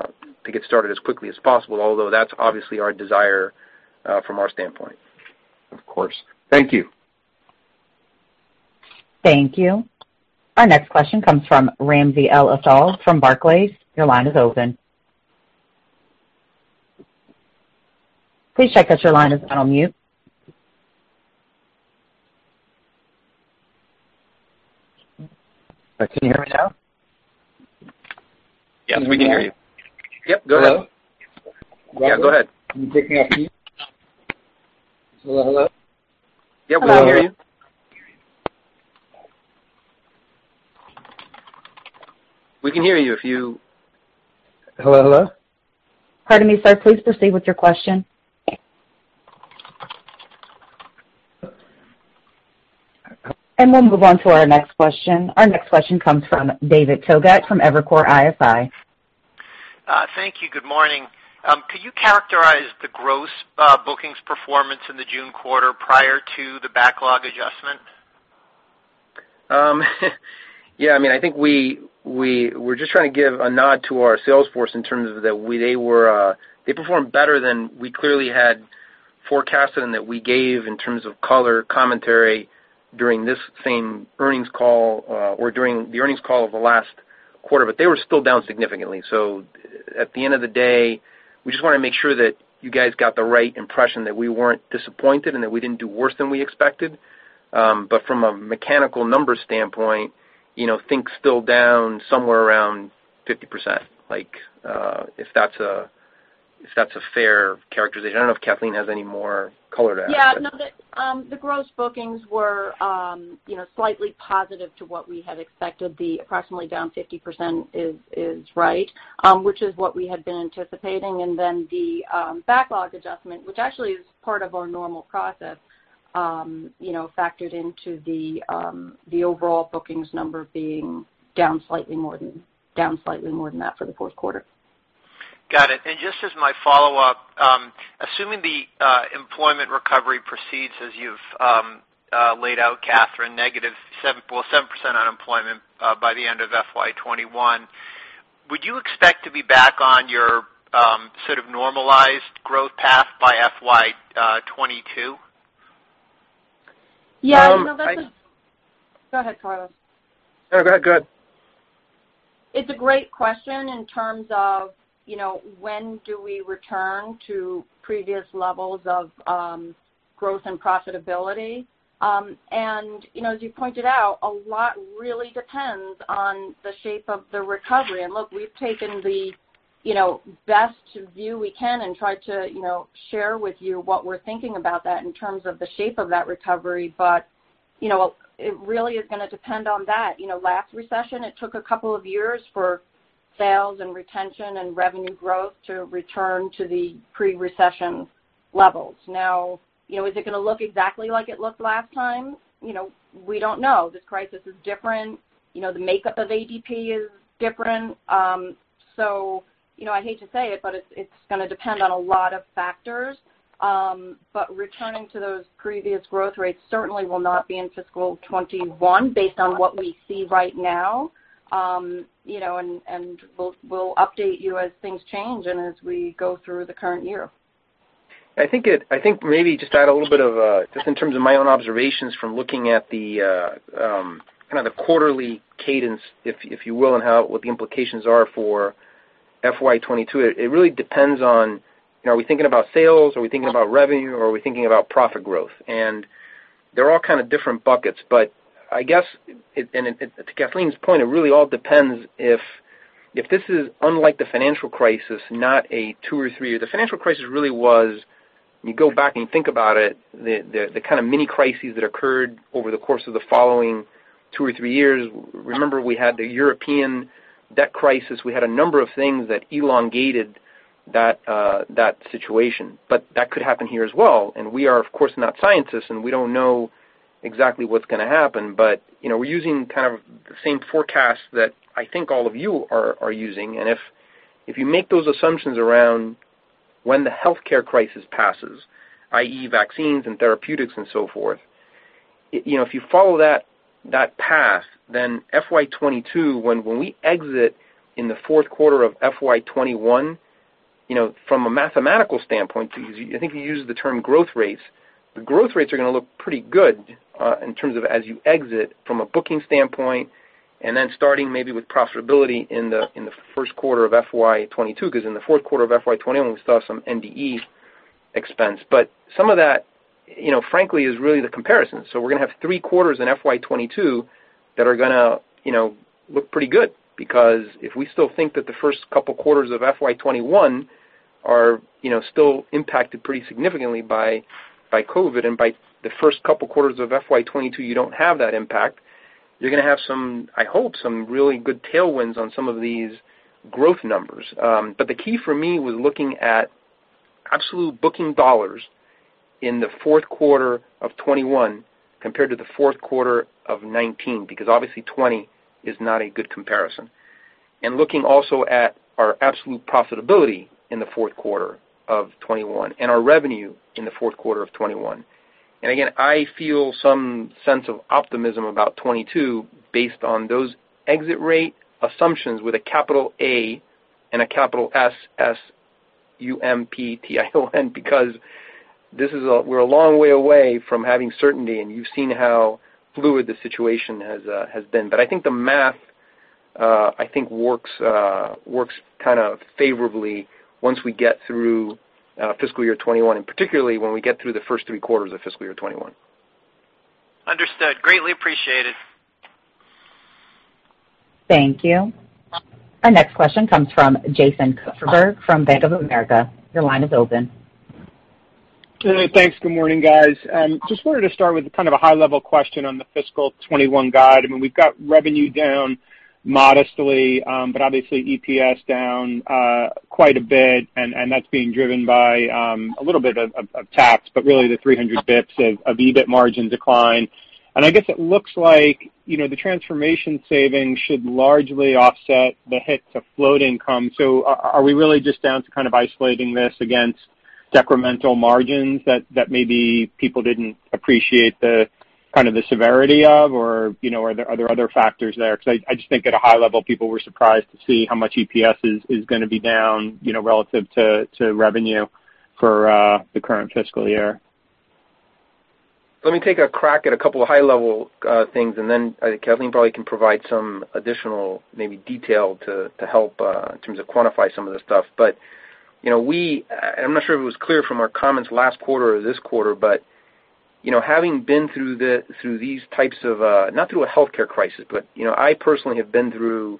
get started as quickly as possible, although that's obviously our desire from our standpoint. Of course. Thank you. Thank you. Our next question comes from Ramsey El-Assal from Barclays. Your line is open. Please check that your line is on mute. Can you hear me now? Yes, we can hear you. Yep, go ahead. Hello? Yeah, go ahead. Can you pick me up, please? Hello? Yeah, we can hear you. Hello? We can hear you if you. Hello? Pardon me, sir. Please proceed with your question. We'll move on to our next question. Our next question comes from David Togut from Evercore ISI. Thank you. Good morning. Could you characterize the gross bookings performance in the June quarter prior to the backlog adjustment? Yeah, I think we're just trying to give a nod to our sales force in terms of that they performed better than we clearly had forecasted and that we gave in terms of color commentary during this same earnings call, or during the earnings call of the last quarter. They were still down significantly. At the end of the day, we just want to make sure that you guys got the right impression, that we weren't disappointed and that we didn't do worse than we expected. From a mechanical numbers standpoint, think still down somewhere around 50%, if that's a fair characterization. I don't know if Kathleen has any more color to add. Yeah, no, the gross bookings were slightly positive to what we had expected. The approximately down 50% is right, which is what we had been anticipating. The backlog adjustment, which actually is part of our normal process, factored into the overall bookings number being down slightly more than that for the fourth quarter. Got it. Just as my follow-up, assuming the employment recovery proceeds as you've laid out, Kathleen, 7% unemployment by the end of FY 2021, would you expect to be back on your sort of normalized growth path by FY 2022? Yeah, go ahead, Carlos. No, go ahead. It's a great question in terms of when do we return to previous levels of growth and profitability. As you pointed out, a lot really depends on the shape of the recovery. Look, we've taken the best view we can and try to share with you what we're thinking about that in terms of the shape of that recovery. It really is going to depend on that. Last recession, it took a couple of years for sales and retention and revenue growth to return to the pre-recession levels. Now, is it going to look exactly like it looked last time? We don't know. This crisis is different. The makeup of ADP is different. I hate to say it, but it's going to depend on a lot of factors. Returning to those previous growth rates certainly will not be in fiscal 2021 based on what we see right now. We'll update you as things change and as we go through the current year. I think maybe just add a little bit of, just in terms of my own observations from looking at the kind of the quarterly cadence, if you will, and what the implications are for FY 2022. It really depends on, are we thinking about sales? Are we thinking about revenue, or are we thinking about profit growth? They're all kind of different buckets. I guess, and to Kathleen's point, it really all depends if this is unlike the financial crisis, not a two or three year. The financial crisis really was, when you go back and think about it, the kind of mini crises that occurred over the course of the following two or three years. Remember, we had the European debt crisis. We had a number of things that elongated that situation, but that could happen here as well, and we are, of course, not scientists, and we don't know exactly what's going to happen. We're using kind of the same forecast that I think all of you are using. If you make those assumptions around when the healthcare crisis passes, i.e. vaccines and therapeutics and so forth, if you follow that path, FY 2022, when we exit in the fourth quarter of FY 2021, from a mathematical standpoint, I think you used the term growth rates. The growth rates are going to look pretty good in terms of as you exit from a booking standpoint, starting maybe with profitability in the first quarter of FY 2022, because in the fourth quarter of FY 2021, we still have some NDE expense. Some of that, frankly, is really the comparison. We're going to have three quarters in FY 2022 that are going to look pretty good, because if we still think that the first couple quarters of FY 2021 are still impacted pretty significantly by COVID, and by the first couple quarters of FY 2022 you don't have that impact, you're going to have, I hope, some really good tailwinds on some of these growth numbers. The key for me was looking at absolute booking dollars in the fourth quarter of 2021 compared to the fourth quarter of 2019, because obviously 2020 is not a good comparison. Looking also at our absolute profitability in the fourth quarter of 2021 and our revenue in the fourth quarter of 2021. Again, I feel some sense of optimism about 2022 based on those exit rate assumptions with a capital A and a capital S, Assume, because we're a long way away from having certainty, and you've seen how fluid the situation has been. I think the math works kind of favorably once we get through fiscal year 2021, and particularly when we get through the first three quarters of fiscal year 2021. Understood. Greatly appreciated. Thank you. Our next question comes from Jason Kupferberg from Bank of America. Your line is open. Hey, thanks. Good morning, guys. Just wanted to start with kind of a high-level question on the fiscal 2021 guide. I mean, we've got revenue down modestly, but obviously EPS down quite a bit, and that's being driven by a little bit of tax, but really the 300 basis points of EBIT margin decline. I guess it looks like the transformation savings should largely offset the hit to float income. Are we really just down to kind of isolating this against decremental margins that maybe people didn't appreciate the severity of? Are there other factors there? Because I just think at a high level, people were surprised to see how much EPS is going to be down relative to revenue for the current fiscal year. Let me take a crack at a couple of high-level things, then I think Kathleen probably can provide some additional maybe detail to help in terms of quantify some of the stuff. I'm not sure if it was clear from our comments last quarter or this quarter, but having been through these types of, not through a healthcare crisis, but I personally have been through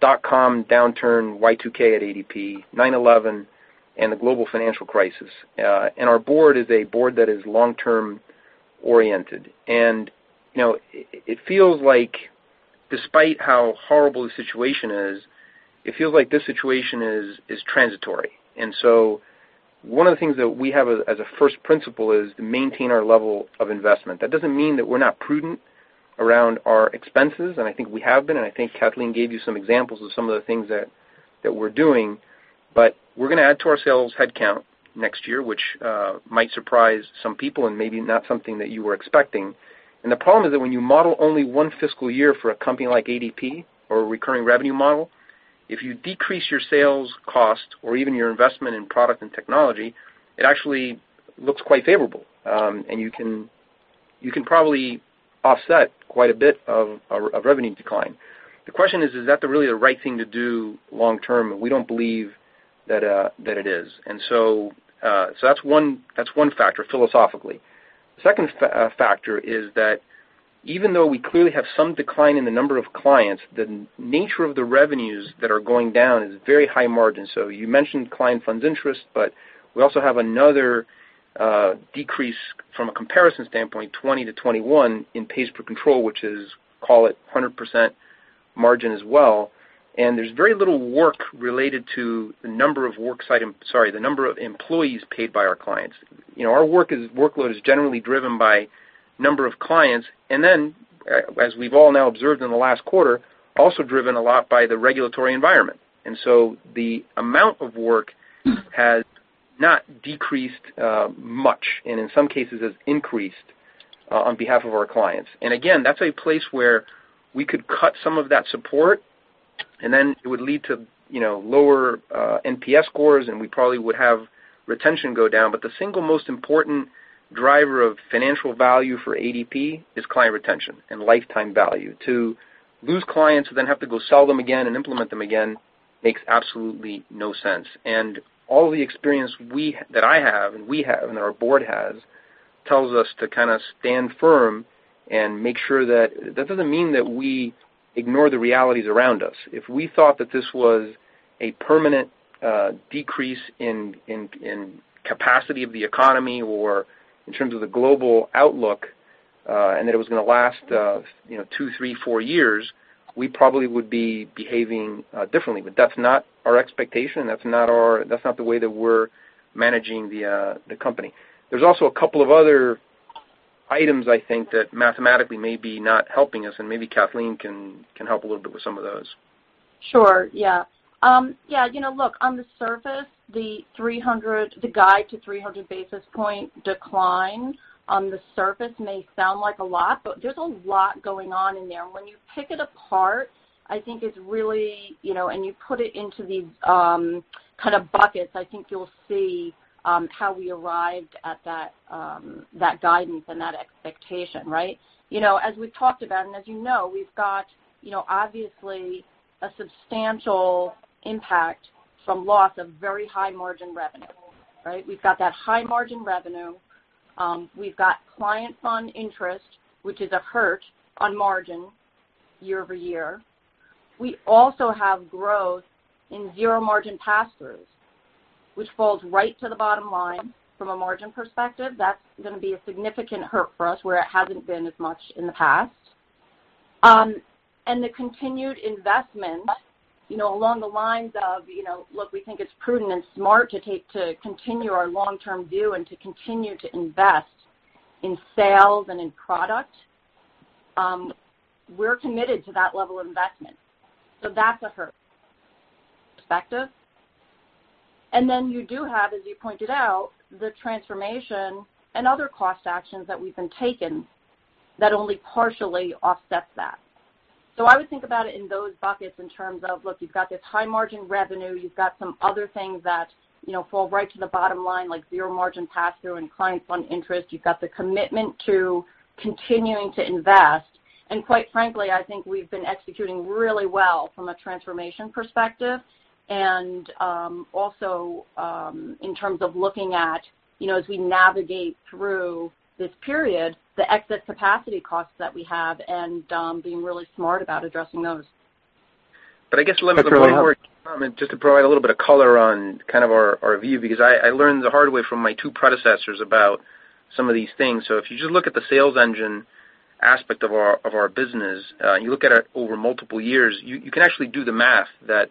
dot-com downturn, Y2K at ADP, 9/11, and the global financial crisis. Our board is a board that is long-term oriented. It feels like despite how horrible the situation is, it feels like this situation is transitory. So one of the things that we have as a first principle is to maintain our level of investment. That doesn't mean that we're not prudent around our expenses, and I think we have been, and I think Kathleen gave you some examples of some of the things that we're doing. We're going to add to our sales headcount next year, which might surprise some people and maybe not something that you were expecting. The problem is that when you model only one fiscal year for a company like ADP or a recurring revenue model, if you decrease your sales cost or even your investment in product and technology, it actually looks quite favorable, and you can probably offset quite a bit of revenue decline. The question is that really the right thing to do long term? We don't believe that it is. That's one factor philosophically. Second factor is that even though we clearly have some decline in the number of clients, the nature of the revenues that are going down is very high margin. You mentioned client funds interest, but we also have another decrease from a comparison standpoint, 2020 to 2021, in pays per control, which is, call it, 100% margin as well. There's very little work related to the number of employees paid by our clients. Our workload is generally driven by number of clients, and then, as we've all now observed in the last quarter, also driven a lot by the regulatory environment. The amount of work has not decreased much, and in some cases, has increased on behalf of our clients. Again, that's a place where we could cut some of that support, and then it would lead to lower NPS scores, and we probably would have retention go down. The single most important driver of financial value for ADP is client retention and lifetime value. To lose clients, then have to go sell them again and implement them again, makes absolutely no sense. All the experience that I have, and we have, and our board has, tells us to stand firm and make sure that doesn't mean that we ignore the realities around us. If we thought that this was a permanent decrease in capacity of the economy or in terms of the global outlook, and that it was going to last two, three, four years, we probably would be behaving differently. That's not our expectation. That's not the way that we're managing the company. There's also a couple of other items, I think, that mathematically may be not helping us, and maybe Kathleen can help a little bit with some of those. Sure. Yeah. Look, on the surface, the guide to 300 basis point decline on the surface may sound like a lot. There's a lot going on in there. When you pick it apart, you put it into these buckets, I think you'll see how we arrived at that guidance and that expectation. Right? As we've talked about, as you know, we've got obviously a substantial impact from loss of very high margin revenue. Right? We've got that high margin revenue. We've got client fund interest, which is a hurt on margin year-over-year. We also have growth in zero margin passthroughs, which falls right to the bottom line from a margin perspective. That's going to be a significant hurt for us, where it hasn't been as much in the past. The continued investment along the lines of, look, we think it's prudent and smart to continue our long-term view and to continue to invest in sales and in product. We're committed to that level of investment, so that's a hurt perspective. Then you do have, as you pointed out, the transformation and other cost actions that we've been taking that only partially offset that. I would think about it in those buckets in terms of, look, you've got this high margin revenue, you've got some other things that fall right to the bottom line, like zero margin passthrough and client fund interest. You've got the commitment to continuing to invest. Quite frankly, I think we've been executing really well from a transformation perspective, and also, in terms of looking at, as we navigate through this period, the exit capacity costs that we have and being really smart about addressing those. I guess let me provide more comment just to provide a little bit of color on our view, because I learned the hard way from my two predecessors about some of these things. If you just look at the sales engine aspect of our business, and you look at it over multiple years, you can actually do the math that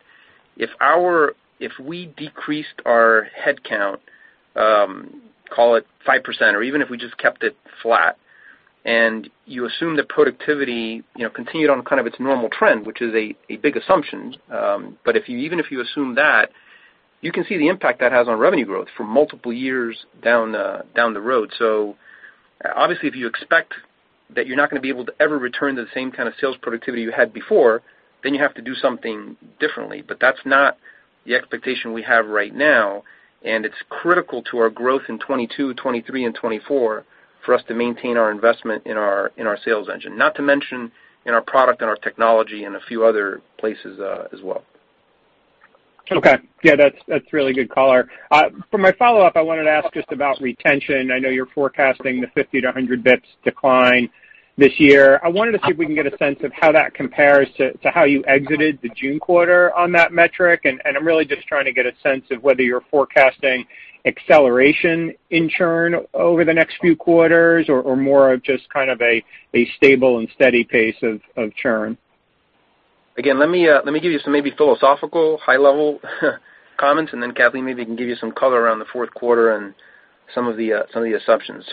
if we decreased our headcount, call it 5%, or even if we just kept it flat, and you assume that productivity continued on its normal trend, which is a big assumption, but even if you assume that, you can see the impact that has on revenue growth for multiple years down the road. Obviously, if you expect that you're not going to be able to ever return to the same kind of sales productivity you had before, then you have to do something differently. That's not the expectation we have right now, and it's critical to our growth in 2022, 2023, and 2024 for us to maintain our investment in our sales engine, not to mention in our product and our technology and a few other places as well. Okay. Yeah, that's really good color. For my follow-up, I wanted to ask just about retention. I know you're forecasting the 50 to 100 basis points decline this year. I wanted to see if we can get a sense of how that compares to how you exited the June quarter on that metric. I'm really just trying to get a sense of whether you're forecasting acceleration in churn over the next few quarters or more of just a stable and steady pace of churn. Again, let me give you some maybe philosophical, high-level comments, and then Kathleen maybe can give you some color around the fourth quarter and some of the assumptions.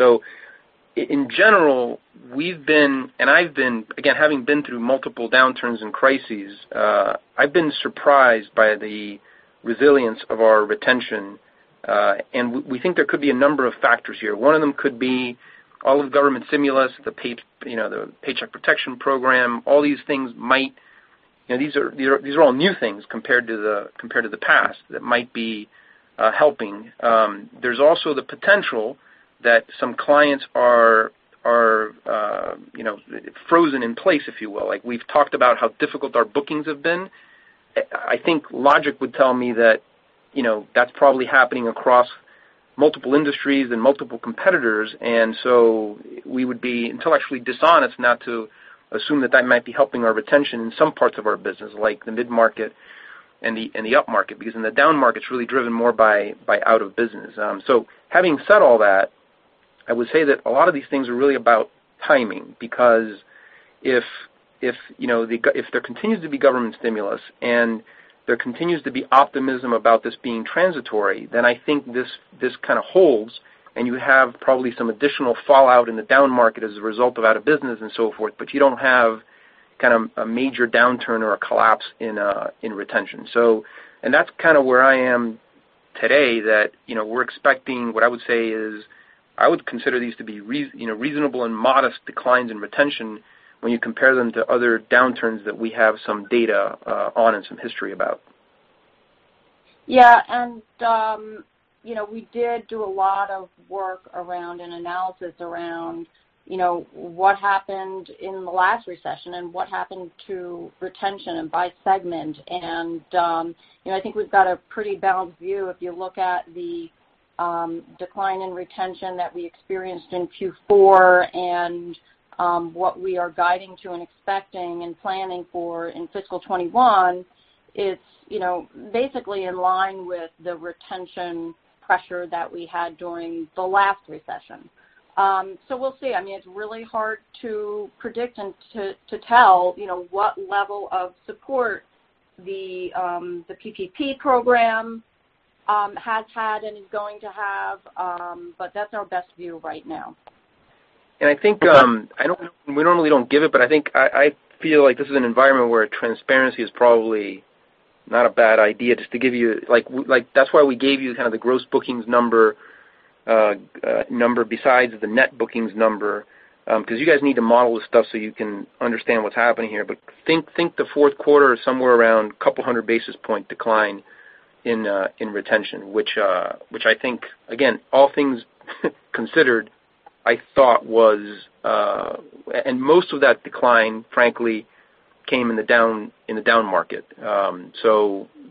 In general, we've been, and I've been, again, having been through multiple downturns and crises, I've been surprised by the resilience of our retention, and we think there could be a number of factors here. One of them could be all of the government stimulus, the Paycheck Protection Program, all these things. These are all new things compared to the past that might be helping. There's also the potential that some clients are frozen in place, if you will. We've talked about how difficult our bookings have been. I think logic would tell me that's probably happening across multiple industries and multiple competitors. We would be intellectually dishonest not to assume that that might be helping our retention in some parts of our business, like the mid-market and the upmarket, because in the downmarket, it's really driven more by out of business. Having said all that, I would say that a lot of these things are really about timing, because if there continues to be government stimulus and there continues to be optimism about this being transitory, then I think this kind of holds, and you have probably some additional fallout in the downmarket as a result of out of business and so forth, but you don't have a major downturn or a collapse in retention. That's kind of where I am today, that we're expecting what I would say is, I would consider these to be reasonable and modest declines in retention when you compare them to other downturns that we have some data on and some history about. Yeah. We did do a lot of work around and analysis around what happened in the last recession and what happened to retention and by segment. I think we've got a pretty balanced view if you look at the decline in retention that we experienced in Q4 and what we are guiding to and expecting and planning for in fiscal 2021, it's basically in line with the retention pressure that we had during the last recession. We'll see. It's really hard to predict and to tell what level of support the PPP program has had and is going to have, but that's our best view right now. I think I normally don't give it, but I think I feel like this is an environment where transparency is probably not a bad idea just to give you. That's why we gave you the gross bookings number besides the net bookings number, because you guys need to model this stuff so you can understand what's happening here. I think the fourth quarter is somewhere around a couple of hundred basis point decline in retention, which I think, again, all things considered, I thought was. Most of that decline, frankly, came in the downmarket.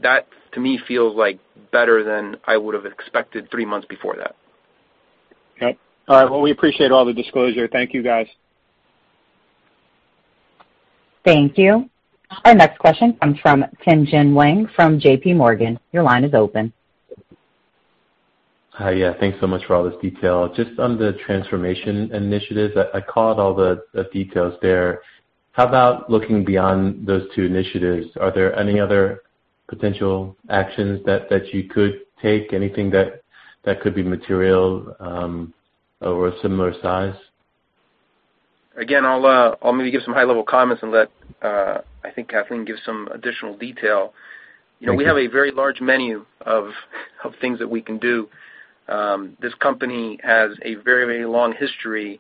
That to me feels better than I would have expected three months before that. Okay. All right. Well, we appreciate all the disclosure. Thank you, guys. Thank you. Our next question comes from Tien-Tsin Huang from JPMorgan. Your line is open. Hi. Yeah, thanks so much for all this detail. Just on the transformation initiatives, I caught all the details there. How about looking beyond those two initiatives? Are there any other potential actions that you could take? Anything that could be material or a similar size? I'll maybe give some high-level comments and let, I think Kathleen give some additional detail. Thank you. We have a very large menu of things that we can do. This company has a very long history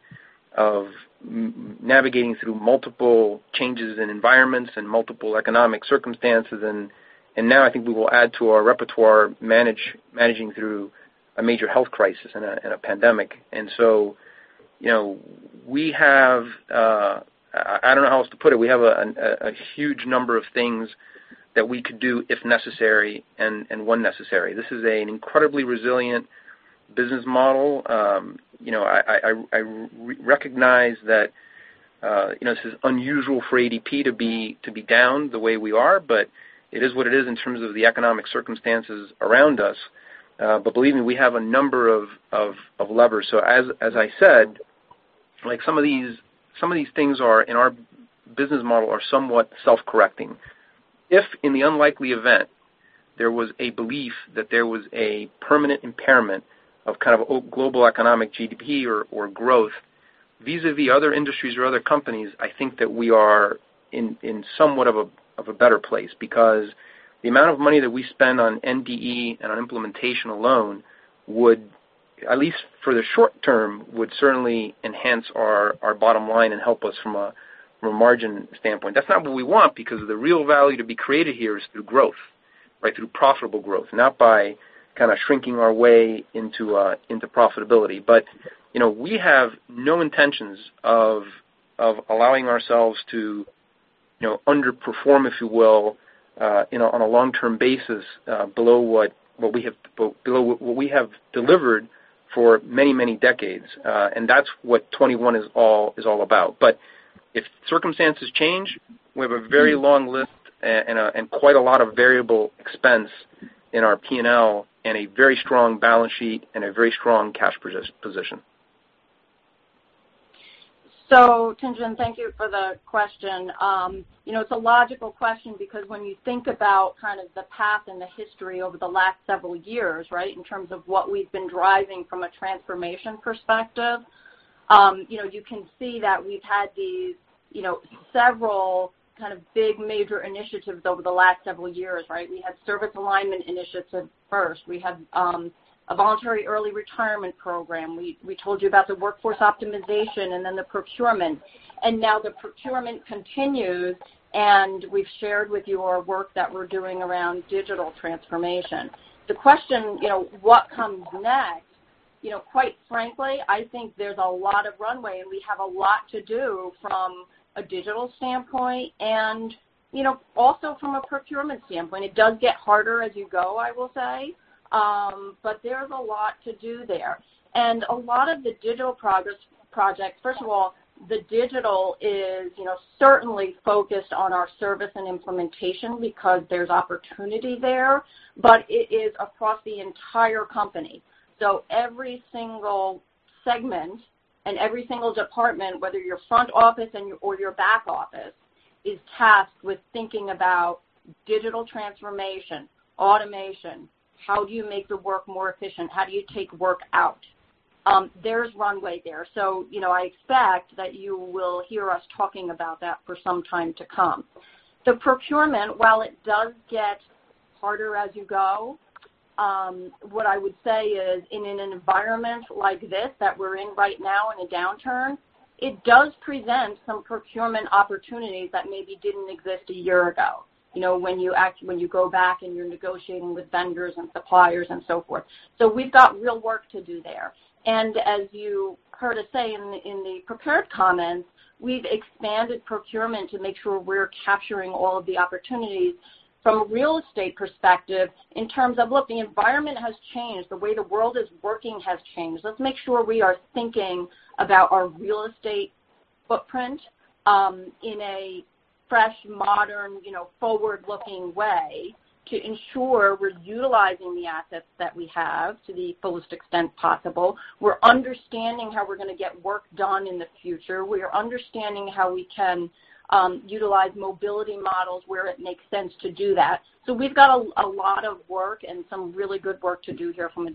of navigating through multiple changes in environments and multiple economic circumstances. Now I think we will add to our repertoire managing through a major health crisis and a pandemic. We have, I don't know how else to put it, we have a huge number of things that we could do if necessary and when necessary. This is an incredibly resilient business model. I recognize that this is unusual for ADP to be down the way we are. It is what it is in terms of the economic circumstances around us. Believe me, we have a number of levers. As I said, some of these things in our business model are somewhat self-correcting. If in the unlikely event there was a belief that there was a permanent impairment of kind of a global economic GDP or growth vis-a-vis other industries or other companies, I think that we are in somewhat of a better place because the amount of money that we spend on NDE and on implementation alone would, at least for the short term, would certainly enhance our bottom line and help us from a margin standpoint. That's not what we want because the real value to be created here is through growth. Through profitable growth, not by kind of shrinking our way into profitability. We have no intentions of allowing ourselves to underperform, if you will, on a long-term basis below what we have delivered for many decades. That's what 2021 is all about. If circumstances change, we have a very long list and quite a lot of variable expense in our P&L and a very strong balance sheet and a very strong cash position. Tien-Tsin, thank you for the question. It's a logical question because when you think about the path and the history over the last several years in terms of what we've been driving from a transformation perspective, you can see that we've had these several kind of big major initiatives over the last several years. We had service alignment initiatives first. We had a voluntary early retirement program. We told you about the workforce optimization and then the procurement, and now the procurement continues, and we've shared with you our work that we're doing around digital transformation. The question, what comes next? Quite frankly, I think there's a lot of runway, and we have a lot to do from a digital standpoint and also from a procurement standpoint. It does get harder as you go, I will say, but there's a lot to do there. A lot of the digital projects, first of all, the digital is certainly focused on our service and implementation because there's opportunity there, but it is across the entire company. Every single segment and every single department, whether you're front office or you're back office, is tasked with thinking about digital transformation, automation, how do you make the work more efficient, how do you take work out? There's runway there. I expect that you will hear us talking about that for some time to come. The procurement, while it does get harder as you go, what I would say is, in an environment like this that we're in right now in a downturn, it does present some procurement opportunities that maybe didn't exist a year ago, when you go back and you're negotiating with vendors and suppliers and so forth. We've got real work to do there. As you heard us say in the prepared comments, we've expanded procurement to make sure we're capturing all of the opportunities from a real estate perspective in terms of, look, the environment has changed. The way the world is working has changed. Let's make sure we are thinking about our real estate footprint, in a fresh, modern, forward-looking way to ensure we're utilizing the assets that we have to the fullest extent possible. We're understanding how we're going to get work done in the future. We are understanding how we can utilize mobility models where it makes sense to do that. We've got a lot of work and some really good work to do here from a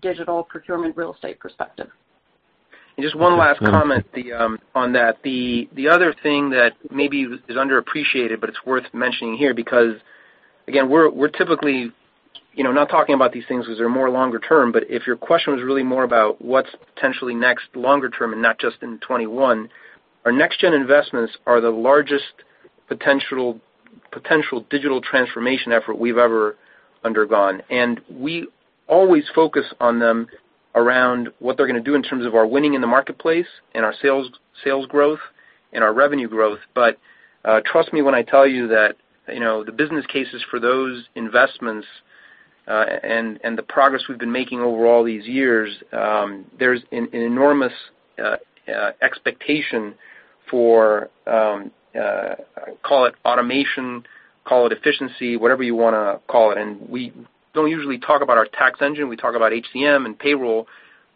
digital procurement real estate perspective. Just one last comment on that. The other thing that maybe is underappreciated, but it's worth mentioning here, because again, we're typically not talking about these things because they're more longer term, but if your question was really more about what's potentially next longer term and not just in 2021, our Next Gen investments are the largest potential digital transformation effort we've ever undergone. We always focus on them around what they're going to do in terms of our winning in the marketplace and our sales growth and our revenue growth. Trust me when I tell you that the business cases for those investments, and the progress we've been making over all these years, there's an enormous expectation for, call it automation, call it efficiency, whatever you want to call it. We don't usually talk about our tax engine. We talk about HCM and payroll.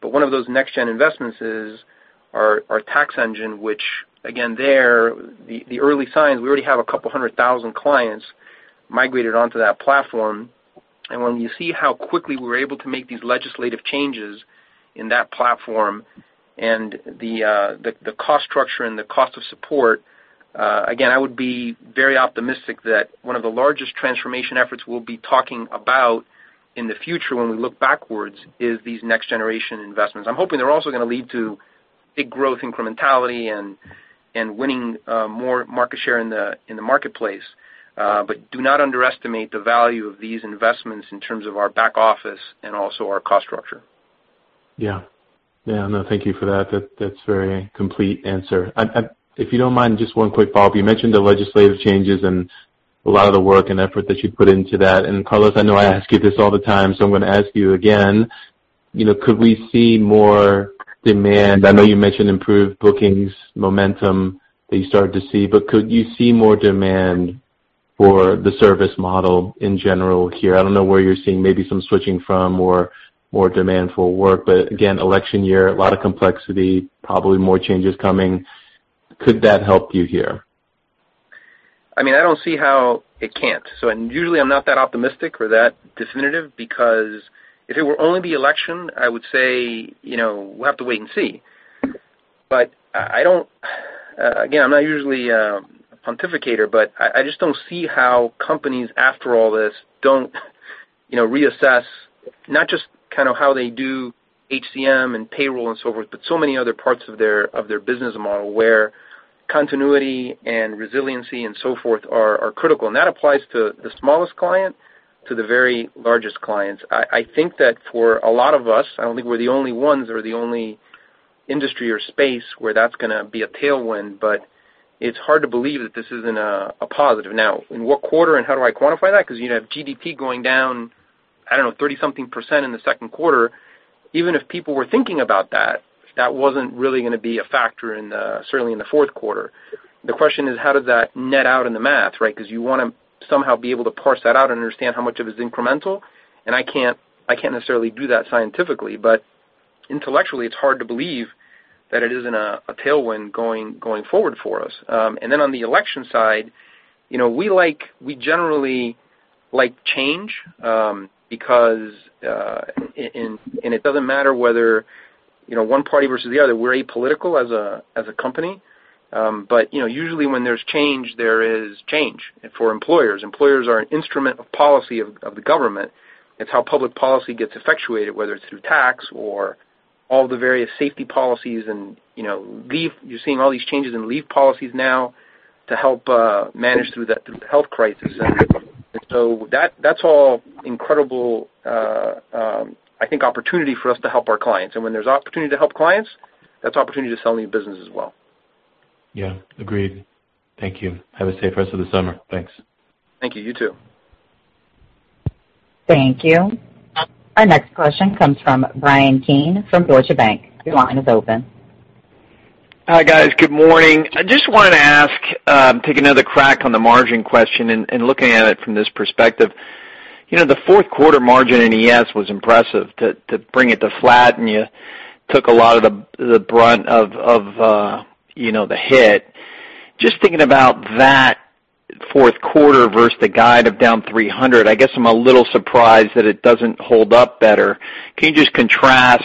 One of those Next Gen investments is our tax engine, which again, there, the early signs, we already have a couple hundred thousand clients migrated onto that platform. When you see how quickly we're able to make these legislative changes in that platform and the cost structure and the cost of support, again, I would be very optimistic that one of the largest transformation efforts we'll be talking about in the future when we look backwards is these Next Generation investments. I'm hoping they're also going to lead to big growth incrementality and winning more market share in the marketplace. Do not underestimate the value of these investments in terms of our back office and also our cost structure. Yeah. No, thank you for that. That's a very complete answer. If you don't mind, just one quick follow-up. You mentioned the legislative changes and a lot of the work and effort that you put into that. Carlos, I know I ask you this all the time, so I'm going to ask you again. Could we see more demand? I know you mentioned improved bookings momentum that you started to see, but could you see more demand for the service model in general here? I don't know where you're seeing maybe some switching from or more demand for work, but again, election year, a lot of complexity, probably more changes coming. Could that help you here? I don't see how it can't. Usually I'm not that optimistic or that definitive, because if it were only the election, I would say we'll have to wait and see. Again, I'm not usually a pontificator, but I just don't see how companies, after all this, don't reassess not just how they do HCM and payroll and so forth, but so many other parts of their business model where continuity and resiliency and so forth are critical. That applies to the smallest client to the very largest clients. I think that for a lot of us, I don't think we're the only ones or the only industry or space where that's going to be a tailwind, but it's hard to believe that this isn't a positive. In what quarter and how do I quantify that? You have GDP going down, I don't know, 30%-something in the second quarter. Even if people were thinking about that wasn't really going to be a factor certainly in the fourth quarter. The question is, how does that net out in the math, right? You want to somehow be able to parse that out and understand how much of it is incremental. I can't necessarily do that scientifically, but intellectually, it's hard to believe that it isn't a tailwind going forward for us. On the election side, we generally like change, and it doesn't matter whether one party versus the other. We're apolitical as a company. Usually when there's change, there is change for employers. Employers are an instrument of policy of the government. It's how public policy gets effectuated, whether it's through tax or all the various safety policies and leave. You're seeing all these changes in leave policies now to help manage through the health crisis. That's all incredible, I think, opportunity for us to help our clients. When there's opportunity to help clients, that's opportunity to sell new business as well. Yeah, agreed. Thank you. Have a safe rest of the summer. Thanks. Thank you. You too. Thank you. Our next question comes from Bryan Keane from Deutsche Bank. Your line is open. Hi, guys. Good morning. I just wanted to take another crack on the margin question looking at it from this perspective. The fourth quarter margin in ES was impressive to bring it to flat. You took a lot of the brunt of the hit. Just thinking about that fourth quarter versus the guide of down 300, I guess I'm a little surprised that it doesn't hold up better. Can you just contrast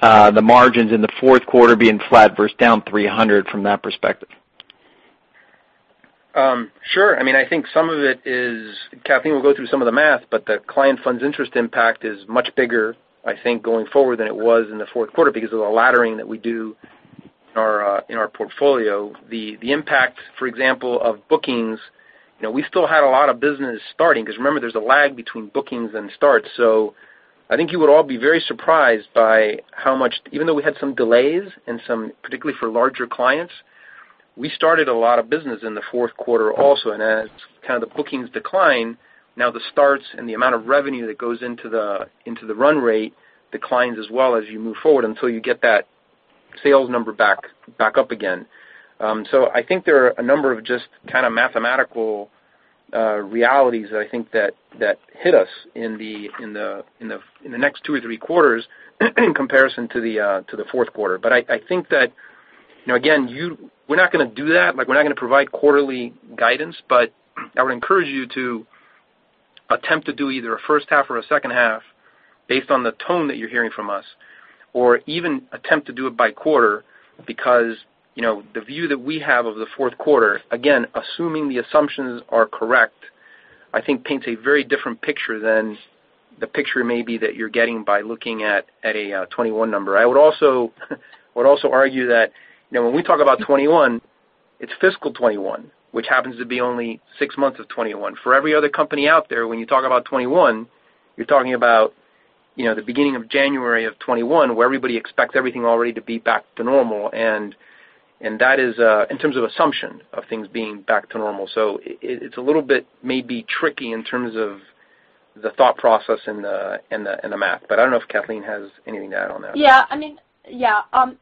the margins in the fourth quarter being flat versus down 300 from that perspective? Sure. I think some of it is, Kathleen will go through some of the math, but the client funds interest impact is much bigger, I think, going forward than it was in the fourth quarter because of the laddering that we do in our portfolio. The impact, for example, of bookings, we still had a lot of business starting because remember, there's a lag between bookings and starts. I think you would all be very surprised by how much, even though we had some delays and some particularly for larger clients, we started a lot of business in the fourth quarter also. As the bookings decline, now the starts and the amount of revenue that goes into the run rate declines as well as you move forward until you get that sales number back up again. I think there are a number of just kind of mathematical realities that I think that hit us in the next two or three quarters in comparison to the fourth quarter. I think that, again, we're not going to do that. We're not going to provide quarterly guidance, but I would encourage you to attempt to do either a first half or a second half based on the tone that you're hearing from us, or even attempt to do it by quarter, because the view that we have of the fourth quarter, again, assuming the assumptions are correct, I think paints a very different picture than the picture maybe that you're getting by looking at a 2021 number. I would also argue that when we talk about 2021, it's fiscal 2021, which happens to be only six months of 2021. For every other company out there, when you talk about 2021, you're talking about the beginning of January of 2021, where everybody expects everything already to be back to normal. That is in terms of assumption of things being back to normal. It's a little bit maybe tricky in terms of the thought process and the math. I don't know if Kathleen has anything to add on that. It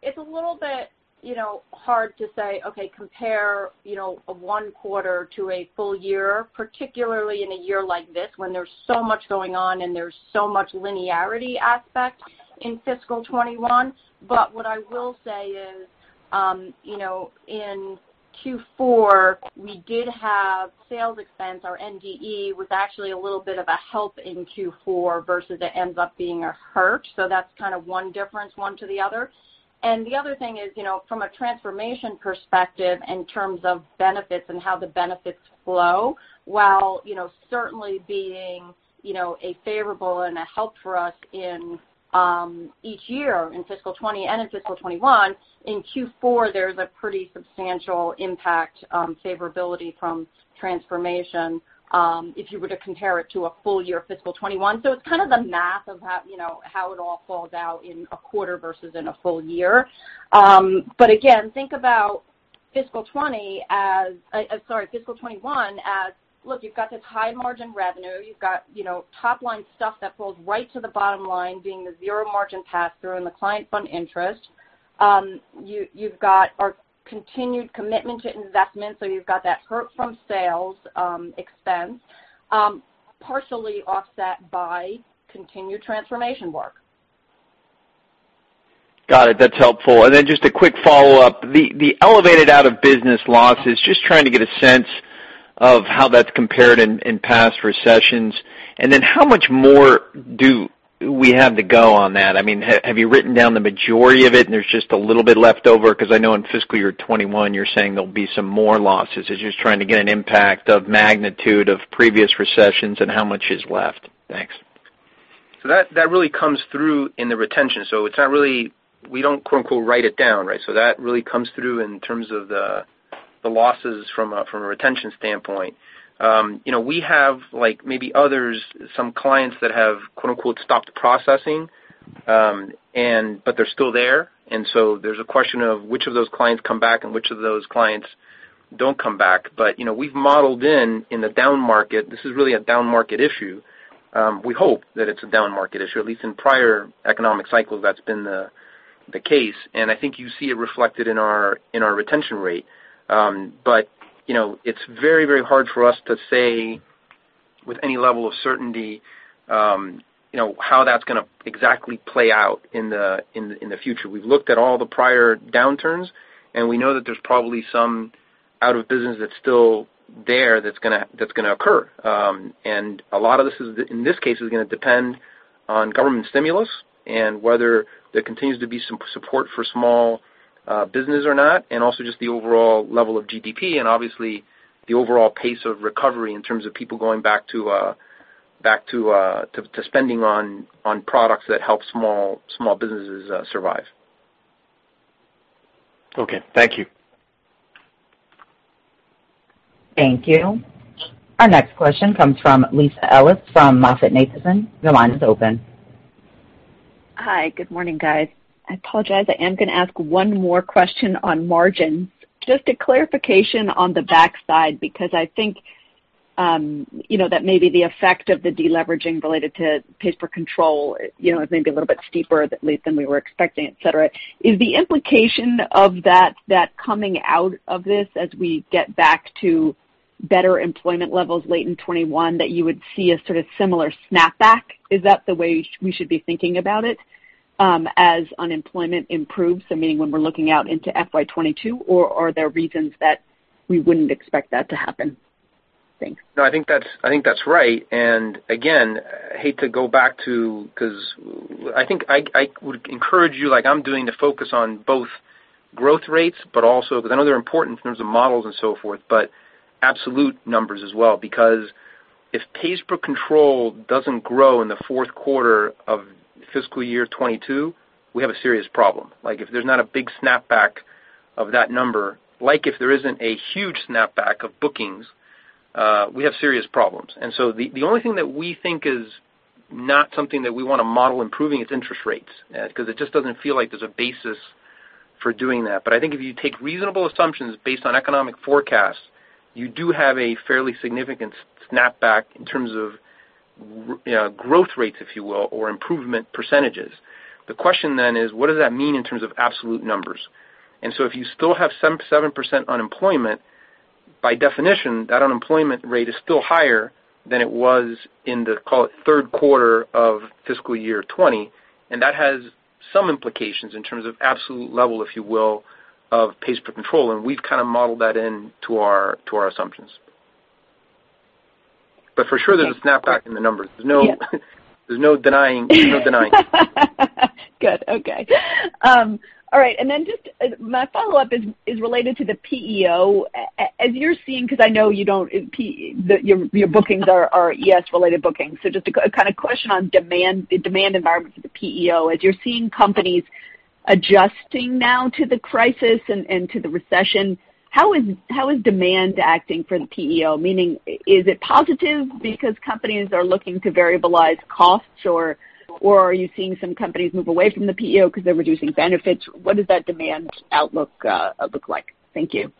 is a little bit hard to say, okay, compare a one quarter to a full year, particularly in a year like this when there is so much going on and there is so much linearity aspect in fiscal 2021. What I will say is, in Q4, we did have sales expense. Our NDE was actually a little bit of a help in Q4 versus it ends up being a hurt. That is kind of one difference, one to the other. The other thing is from a transformation perspective in terms of benefits and how the benefits flow, while certainly being a favorable and a help for us in each year in fiscal 2020 and in fiscal 2021, in Q4, there is a pretty substantial impact favorability from transformation if you were to compare it to a full year fiscal 2021. It's kind of the math of how it all falls out in a quarter versus in a full year. Again, think about fiscal 2021 as, look, you've got this high-margin revenue. You've got top-line stuff that falls right to the bottom line being the zero-margin pass-through and the client fund interest. You've got our continued commitment to investment. You've got that hurt from sales expense partially offset by continued transformation work. Got it. That's helpful. Just a quick follow-up. The elevated out of business losses, just trying to get a sense of how that's compared in past recessions. How much more do we have to go on that? Have you written down the majority of it and there's just a little bit left over? I know in fiscal year 2021, you're saying there'll be some more losses. Just trying to get an impact of magnitude of previous recessions and how much is left. Thanks. That really comes through in the retention. We don't quote, unquote, "Write it down," right? That really comes through in terms of the losses from a retention standpoint. We have, like maybe others, some clients that have quote, unquote, "Stopped processing," but they're still there. There's a question of which of those clients come back and which of those clients don't come back. We've modeled in the down market, this is really a down market issue. We hope that it's a down market issue, at least in prior economic cycles, that's been the case. I think you see it reflected in our retention rate. It's very, very hard for us to say with any level of certainty how that's going to exactly play out in the future. We've looked at all the prior downturns, and we know that there's probably some out of business that's still there that's going to occur. A lot of this, in this case, is going to depend on government stimulus and whether there continues to be some support for small business or not, and also just the overall level of GDP and obviously the overall pace of recovery in terms of people going back to spending on products that help small businesses survive. Okay. Thank you. Thank you. Our next question comes from Lisa Ellis from MoffettNathanson. Your line is open. Hi. Good morning, guys. I apologize, I am going to ask one more question on margins. Just a clarification on the backside, because I think that maybe the effect of the de-leveraging related to pays per control is maybe a little bit steeper than we were expecting, et cetera. Is the implication of that coming out of this as we get back to better employment levels late in 2021, that you would see a sort of similar snapback? Is that the way we should be thinking about it as unemployment improves? Meaning when we're looking out into FY 2022, or are there reasons that we wouldn't expect that to happen? Thanks. No, I think that's right. Again, I hate to go back to Because I think I would encourage you, like I'm doing, to focus on both growth rates, but also, because I know they're important in terms of models and so forth, but absolute numbers as well. If pays per control doesn't grow in the fourth quarter of fiscal year 2022, we have a serious problem. If there's not a big snapback of that number, like if there isn't a huge snapback of bookings, we have serious problems. The only thing that we think is not something that we want to model improving is interest rates, because it just doesn't feel like there's a basis for doing that. I think if you take reasonable assumptions based on economic forecasts, you do have a fairly significant snapback in terms of growth rates, if you will, or improvement percentages. The question is, what does that mean in terms of absolute numbers? If you still have 7% unemployment, by definition, that unemployment rate is still higher than it was in the, call it, third quarter of fiscal year 2020, and that has some implications in terms of absolute level, if you will, of pays per control. We've kind of modeled that into our assumptions. For sure, there's a snapback in the numbers. Yeah. There's no denying it. Good. Okay. All right. Just my follow-up is related to the PEO. As you're seeing, because I know your bookings are ES-related bookings, just a kind of question on demand, the demand environment for the PEO. As you're seeing companies adjusting now to the crisis and to the recession, how is demand acting for the PEO? Meaning, is it positive because companies are looking to variabilize costs, or are you seeing some companies move away from the PEO because they're reducing benefits? What does that demand outlook look like? Thank you.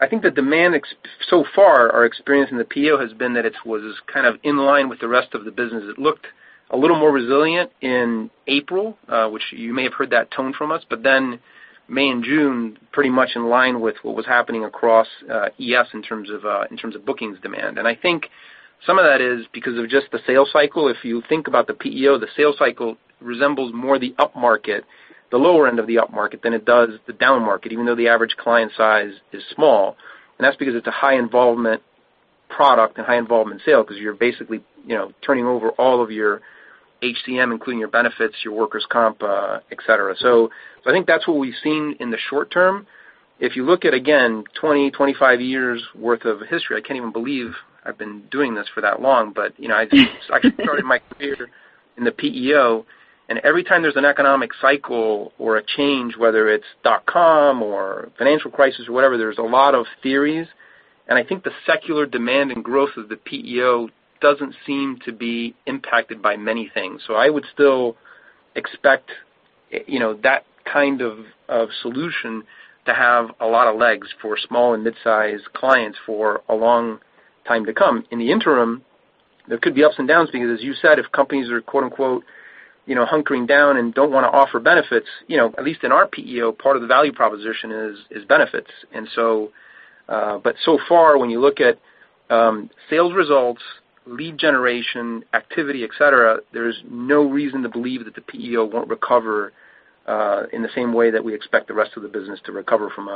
I think the demand so far, our experience in the PEO has been that it was kind of in line with the rest of the business. It looked a little more resilient in April, which you may have heard that tone from us, May and June, pretty much in line with what was happening across ES in terms of bookings demand. I think some of that is because of just the sales cycle. If you think about the PEO, the sales cycle resembles more the upmarket, the lower end of the upmarket, than it does the downmarket, even though the average client size is small. That's because it's a high involvement product and high involvement sale because you're basically turning over all of your HCM, including your benefits, your workers' comp, et cetera. I think that's what we've seen in the short term. If you look at, again, 20, 25 years worth of history, I can't even believe I've been doing this for that long, but I started my career in the PEO, and every time there's an economic cycle or a change, whether it's dot-com or financial crisis or whatever, there's a lot of theories, and I think the secular demand and growth of the PEO doesn't seem to be impacted by many things. I would still expect that kind of solution to have a lot of legs for small and mid-size clients for a long time to come. In the interim, there could be ups and downs because, as you said, if companies are quote, unquote, "hunkering down" and don't want to offer benefits, at least in our PEO, part of the value proposition is benefits. So far, when you look at sales results, lead generation, activity, et cetera, there's no reason to believe that the PEO won't recover in the same way that we expect the rest of the business to recover from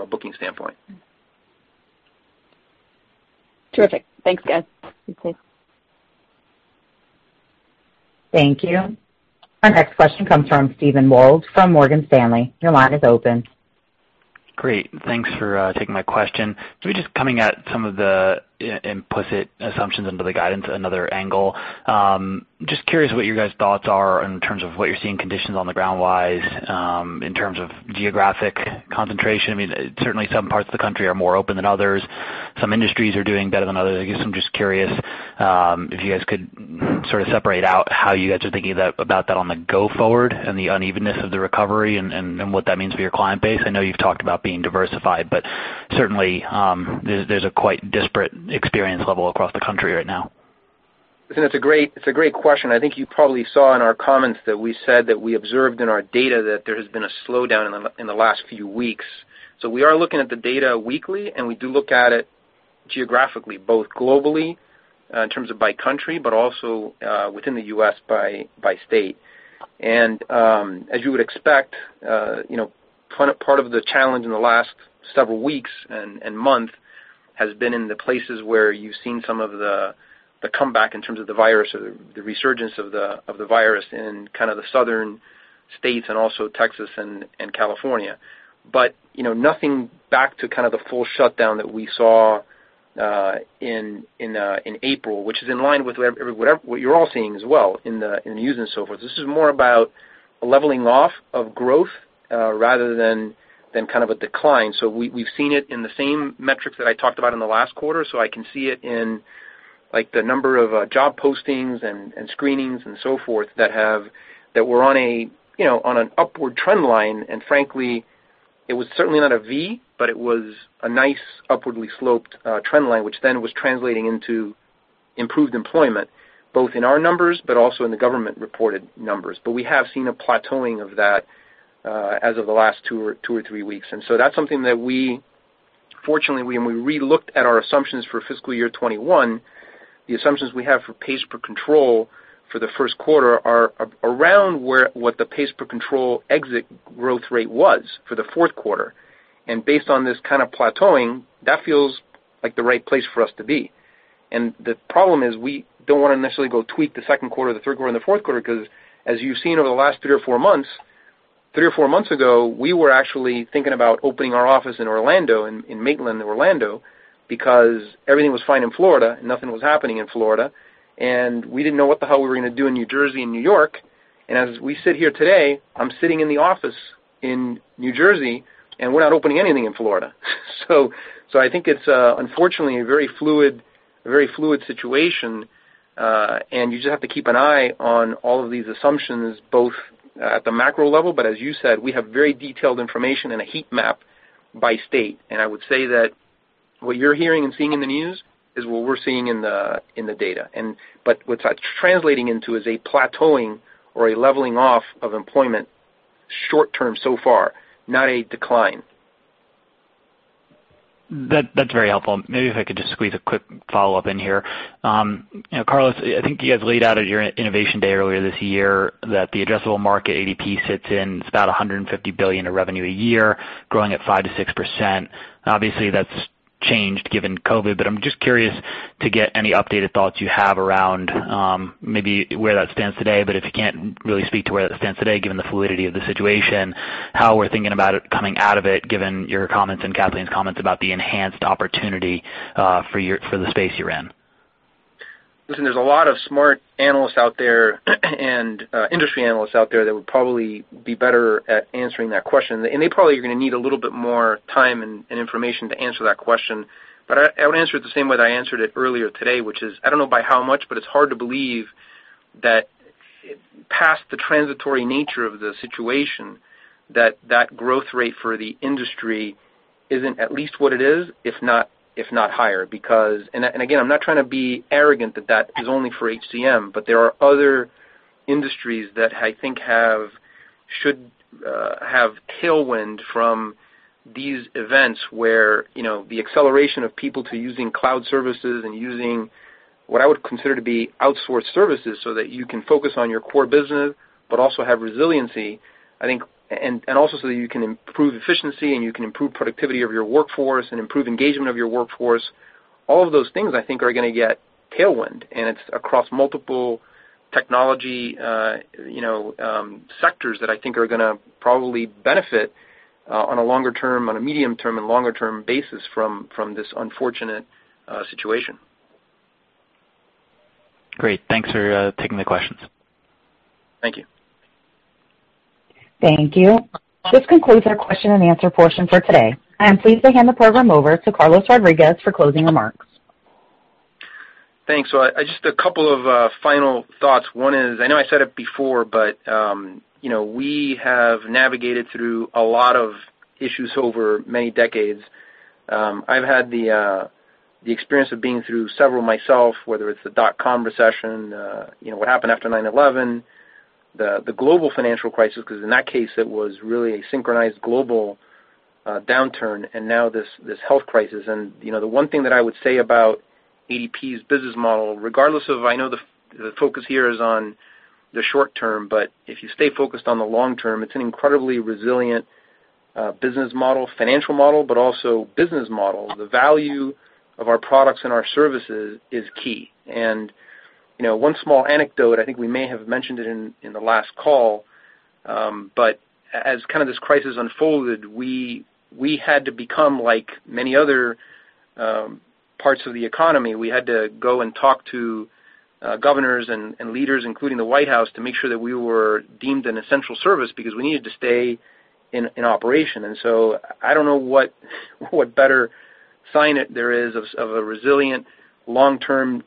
a booking standpoint. Terrific. Thanks, guys. Thank you. Our next question comes from Steven Wald from Morgan Stanley. Your line is open. Great. Thanks for taking my question. We're just coming at some of the implicit assumptions under the guidance, another angle. Just curious what your guys' thoughts are in terms of what you're seeing conditions on the ground wise, in terms of geographic concentration. I mean, certainly some parts of the country are more open than others. Some industries are doing better than others. I guess I'm just curious if you guys could sort of separate out how you guys are thinking about that on the go forward and the unevenness of the recovery and what that means for your client base. I know you've talked about being diversified, but certainly, there's a quite disparate experience level across the country right now. Listen, it's a great question. I think you probably saw in our comments that we said that we observed in our data that there has been a slowdown in the last few weeks. We are looking at the data weekly, and we do look at it geographically, both globally in terms of by country, but also within the U.S. by state. As you would expect, part of the challenge in the last several weeks and month has been in the places where you've seen some of the comeback in terms of the virus or the resurgence of the virus in kind of the Southern States and also Texas and California. Nothing back to kind of the full shutdown that we saw in April, which is in line with what you're all seeing as well in the news and so forth. This is more about a leveling off of growth rather than kind of a decline. We've seen it in the same metrics that I talked about in the last quarter, so I can see it in the number of job postings and screenings and so forth that were on an upward trend line, and frankly, it was certainly not a V, but it was a nice upwardly sloped trend line, which then was translating into improved employment, both in our numbers but also in the government-reported numbers. We have seen a plateauing of that as of the last two or three weeks. That's something that we, fortunately, when we re-looked at our assumptions for fiscal year 2021, the assumptions we have for pays per control for the first quarter are around what the pays per control exit growth rate was for the fourth quarter. Based on this kind of plateauing, that feels like the right place for us to be. The problem is, we don't want to necessarily go tweak the second quarter, the third quarter, and the fourth quarter because, as you've seen over the last three or four months, three or four months ago, we were actually thinking about opening our office in Orlando, in Maitland, in Orlando, because everything was fine in Florida, nothing was happening in Florida, and we didn't know what the hell we were going to do in New Jersey and New York. As we sit here today, I'm sitting in the office in New Jersey, and we're not opening anything in Florida. I think it's unfortunately a very fluid situation, and you just have to keep an eye on all of these assumptions, both at the macro level. As you said, we have very detailed information and a heat map by state. I would say that what you're hearing and seeing in the news is what we're seeing in the data. What that's translating into is a plateauing or a leveling off of employment short-term so far, not a decline. That's very helpful. Maybe if I could just squeeze a quick follow-up in here. Carlos, I think you guys laid out at your Innovation Day earlier this year that the addressable market ADP sits in, it's about $150 billion of revenue a year, growing at 5%-6%. Obviously, that's changed given COVID, I'm just curious to get any updated thoughts you have around maybe where that stands today. If you can't really speak to where that stands today, given the fluidity of the situation, how we're thinking about it coming out of it, given your comments and Kathleen's comments about the enhanced opportunity for the space you're in. Listen, there's a lot of smart analysts out there and industry analysts out there that would probably be better at answering that question. They probably are going to need a little bit more time and information to answer that question. I would answer it the same way that I answered it earlier today, which is, I don't know by how much, but it's hard to believe that past the transitory nature of the situation, that that growth rate for the industry isn't at least what it is, if not higher. Again, I'm not trying to be arrogant that that is only for HCM, but there are other industries that I think should have tailwind from these events where the acceleration of people to using cloud services and using what I would consider to be outsourced services so that you can focus on your core business but also have resiliency, and also so that you can improve efficiency and you can improve productivity of your workforce and improve engagement of your workforce. All of those things, I think, are going to get tailwind, and it's across multiple technology sectors that I think are going to probably benefit on a medium-term and longer-term basis from this unfortunate situation. Great. Thanks for taking the questions. Thank you. Thank you. This concludes our question and answer portion for today. I am pleased to hand the program over to Carlos Rodriguez for closing remarks. Thanks. Just a couple of final thoughts. One is, I know I said it before, but we have navigated through a lot of issues over many decades. I've had the experience of being through several myself, whether it's the dot-com recession, what happened after 9/11, the global financial crisis, because in that case, it was really a synchronized global downturn, and now this health crisis. The one thing that I would say about ADP's business model, regardless of, I know the focus here is on the short term, but if you stay focused on the long term, it's an incredibly resilient business model, financial model, but also business model. The value of our products and our services is key. One small anecdote, I think we may have mentioned it in the last call, but as this crisis unfolded, we had to become like many other parts of the economy. We had to go and talk to governors and leaders, including the White House, to make sure that we were deemed an essential service because we needed to stay in operation. I don't know what better sign there is of a resilient long-term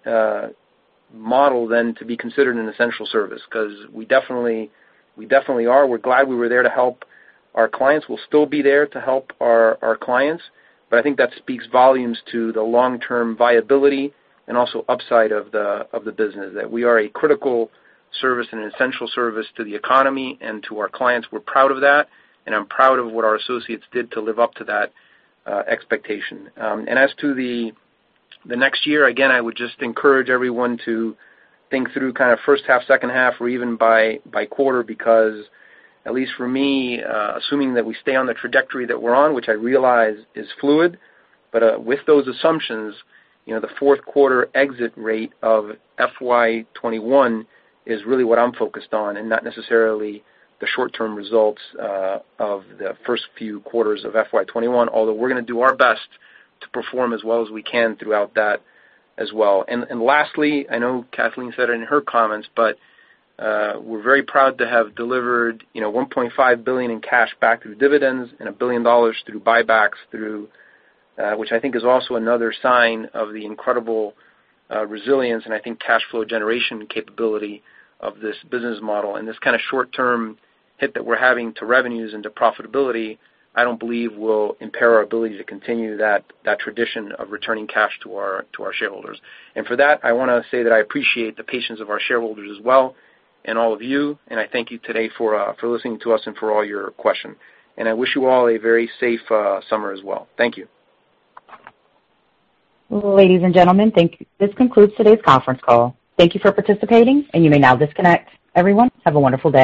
model than to be considered an essential service because we definitely are. We're glad we were there to help our clients. We'll still be there to help our clients. I think that speaks volumes to the long-term viability and also upside of the business, that we are a critical service and an essential service to the economy and to our clients. We're proud of that, and I'm proud of what our associates did to live up to that expectation. As to the next year, again, I would just encourage everyone to think through first half, second half, or even by quarter, because at least for me, assuming that we stay on the trajectory that we're on, which I realize is fluid, but with those assumptions, the fourth quarter exit rate of FY 2021 is really what I'm focused on and not necessarily the short-term results of the first few quarters of FY 2021, although we're going to do our best to perform as well as we can throughout that as well. Lastly, I know Kathleen said it in her comments, but we're very proud to have delivered $1.5 billion in cash back through dividends and $1 billion through buybacks, which I think is also another sign of the incredible resilience and I think cash flow generation capability of this business model, and this kind of short-term hit that we're having to revenues and to profitability I don't believe will impair our ability to continue that tradition of returning cash to our shareholders. For that, I want to say that I appreciate the patience of our shareholders as well and all of you, and I thank you today for listening to us and for all your questions. I wish you all a very safe summer as well. Thank you. Ladies and gentlemen, this concludes today's conference call. Thank you for participating, and you may now disconnect. Everyone, have a wonderful day.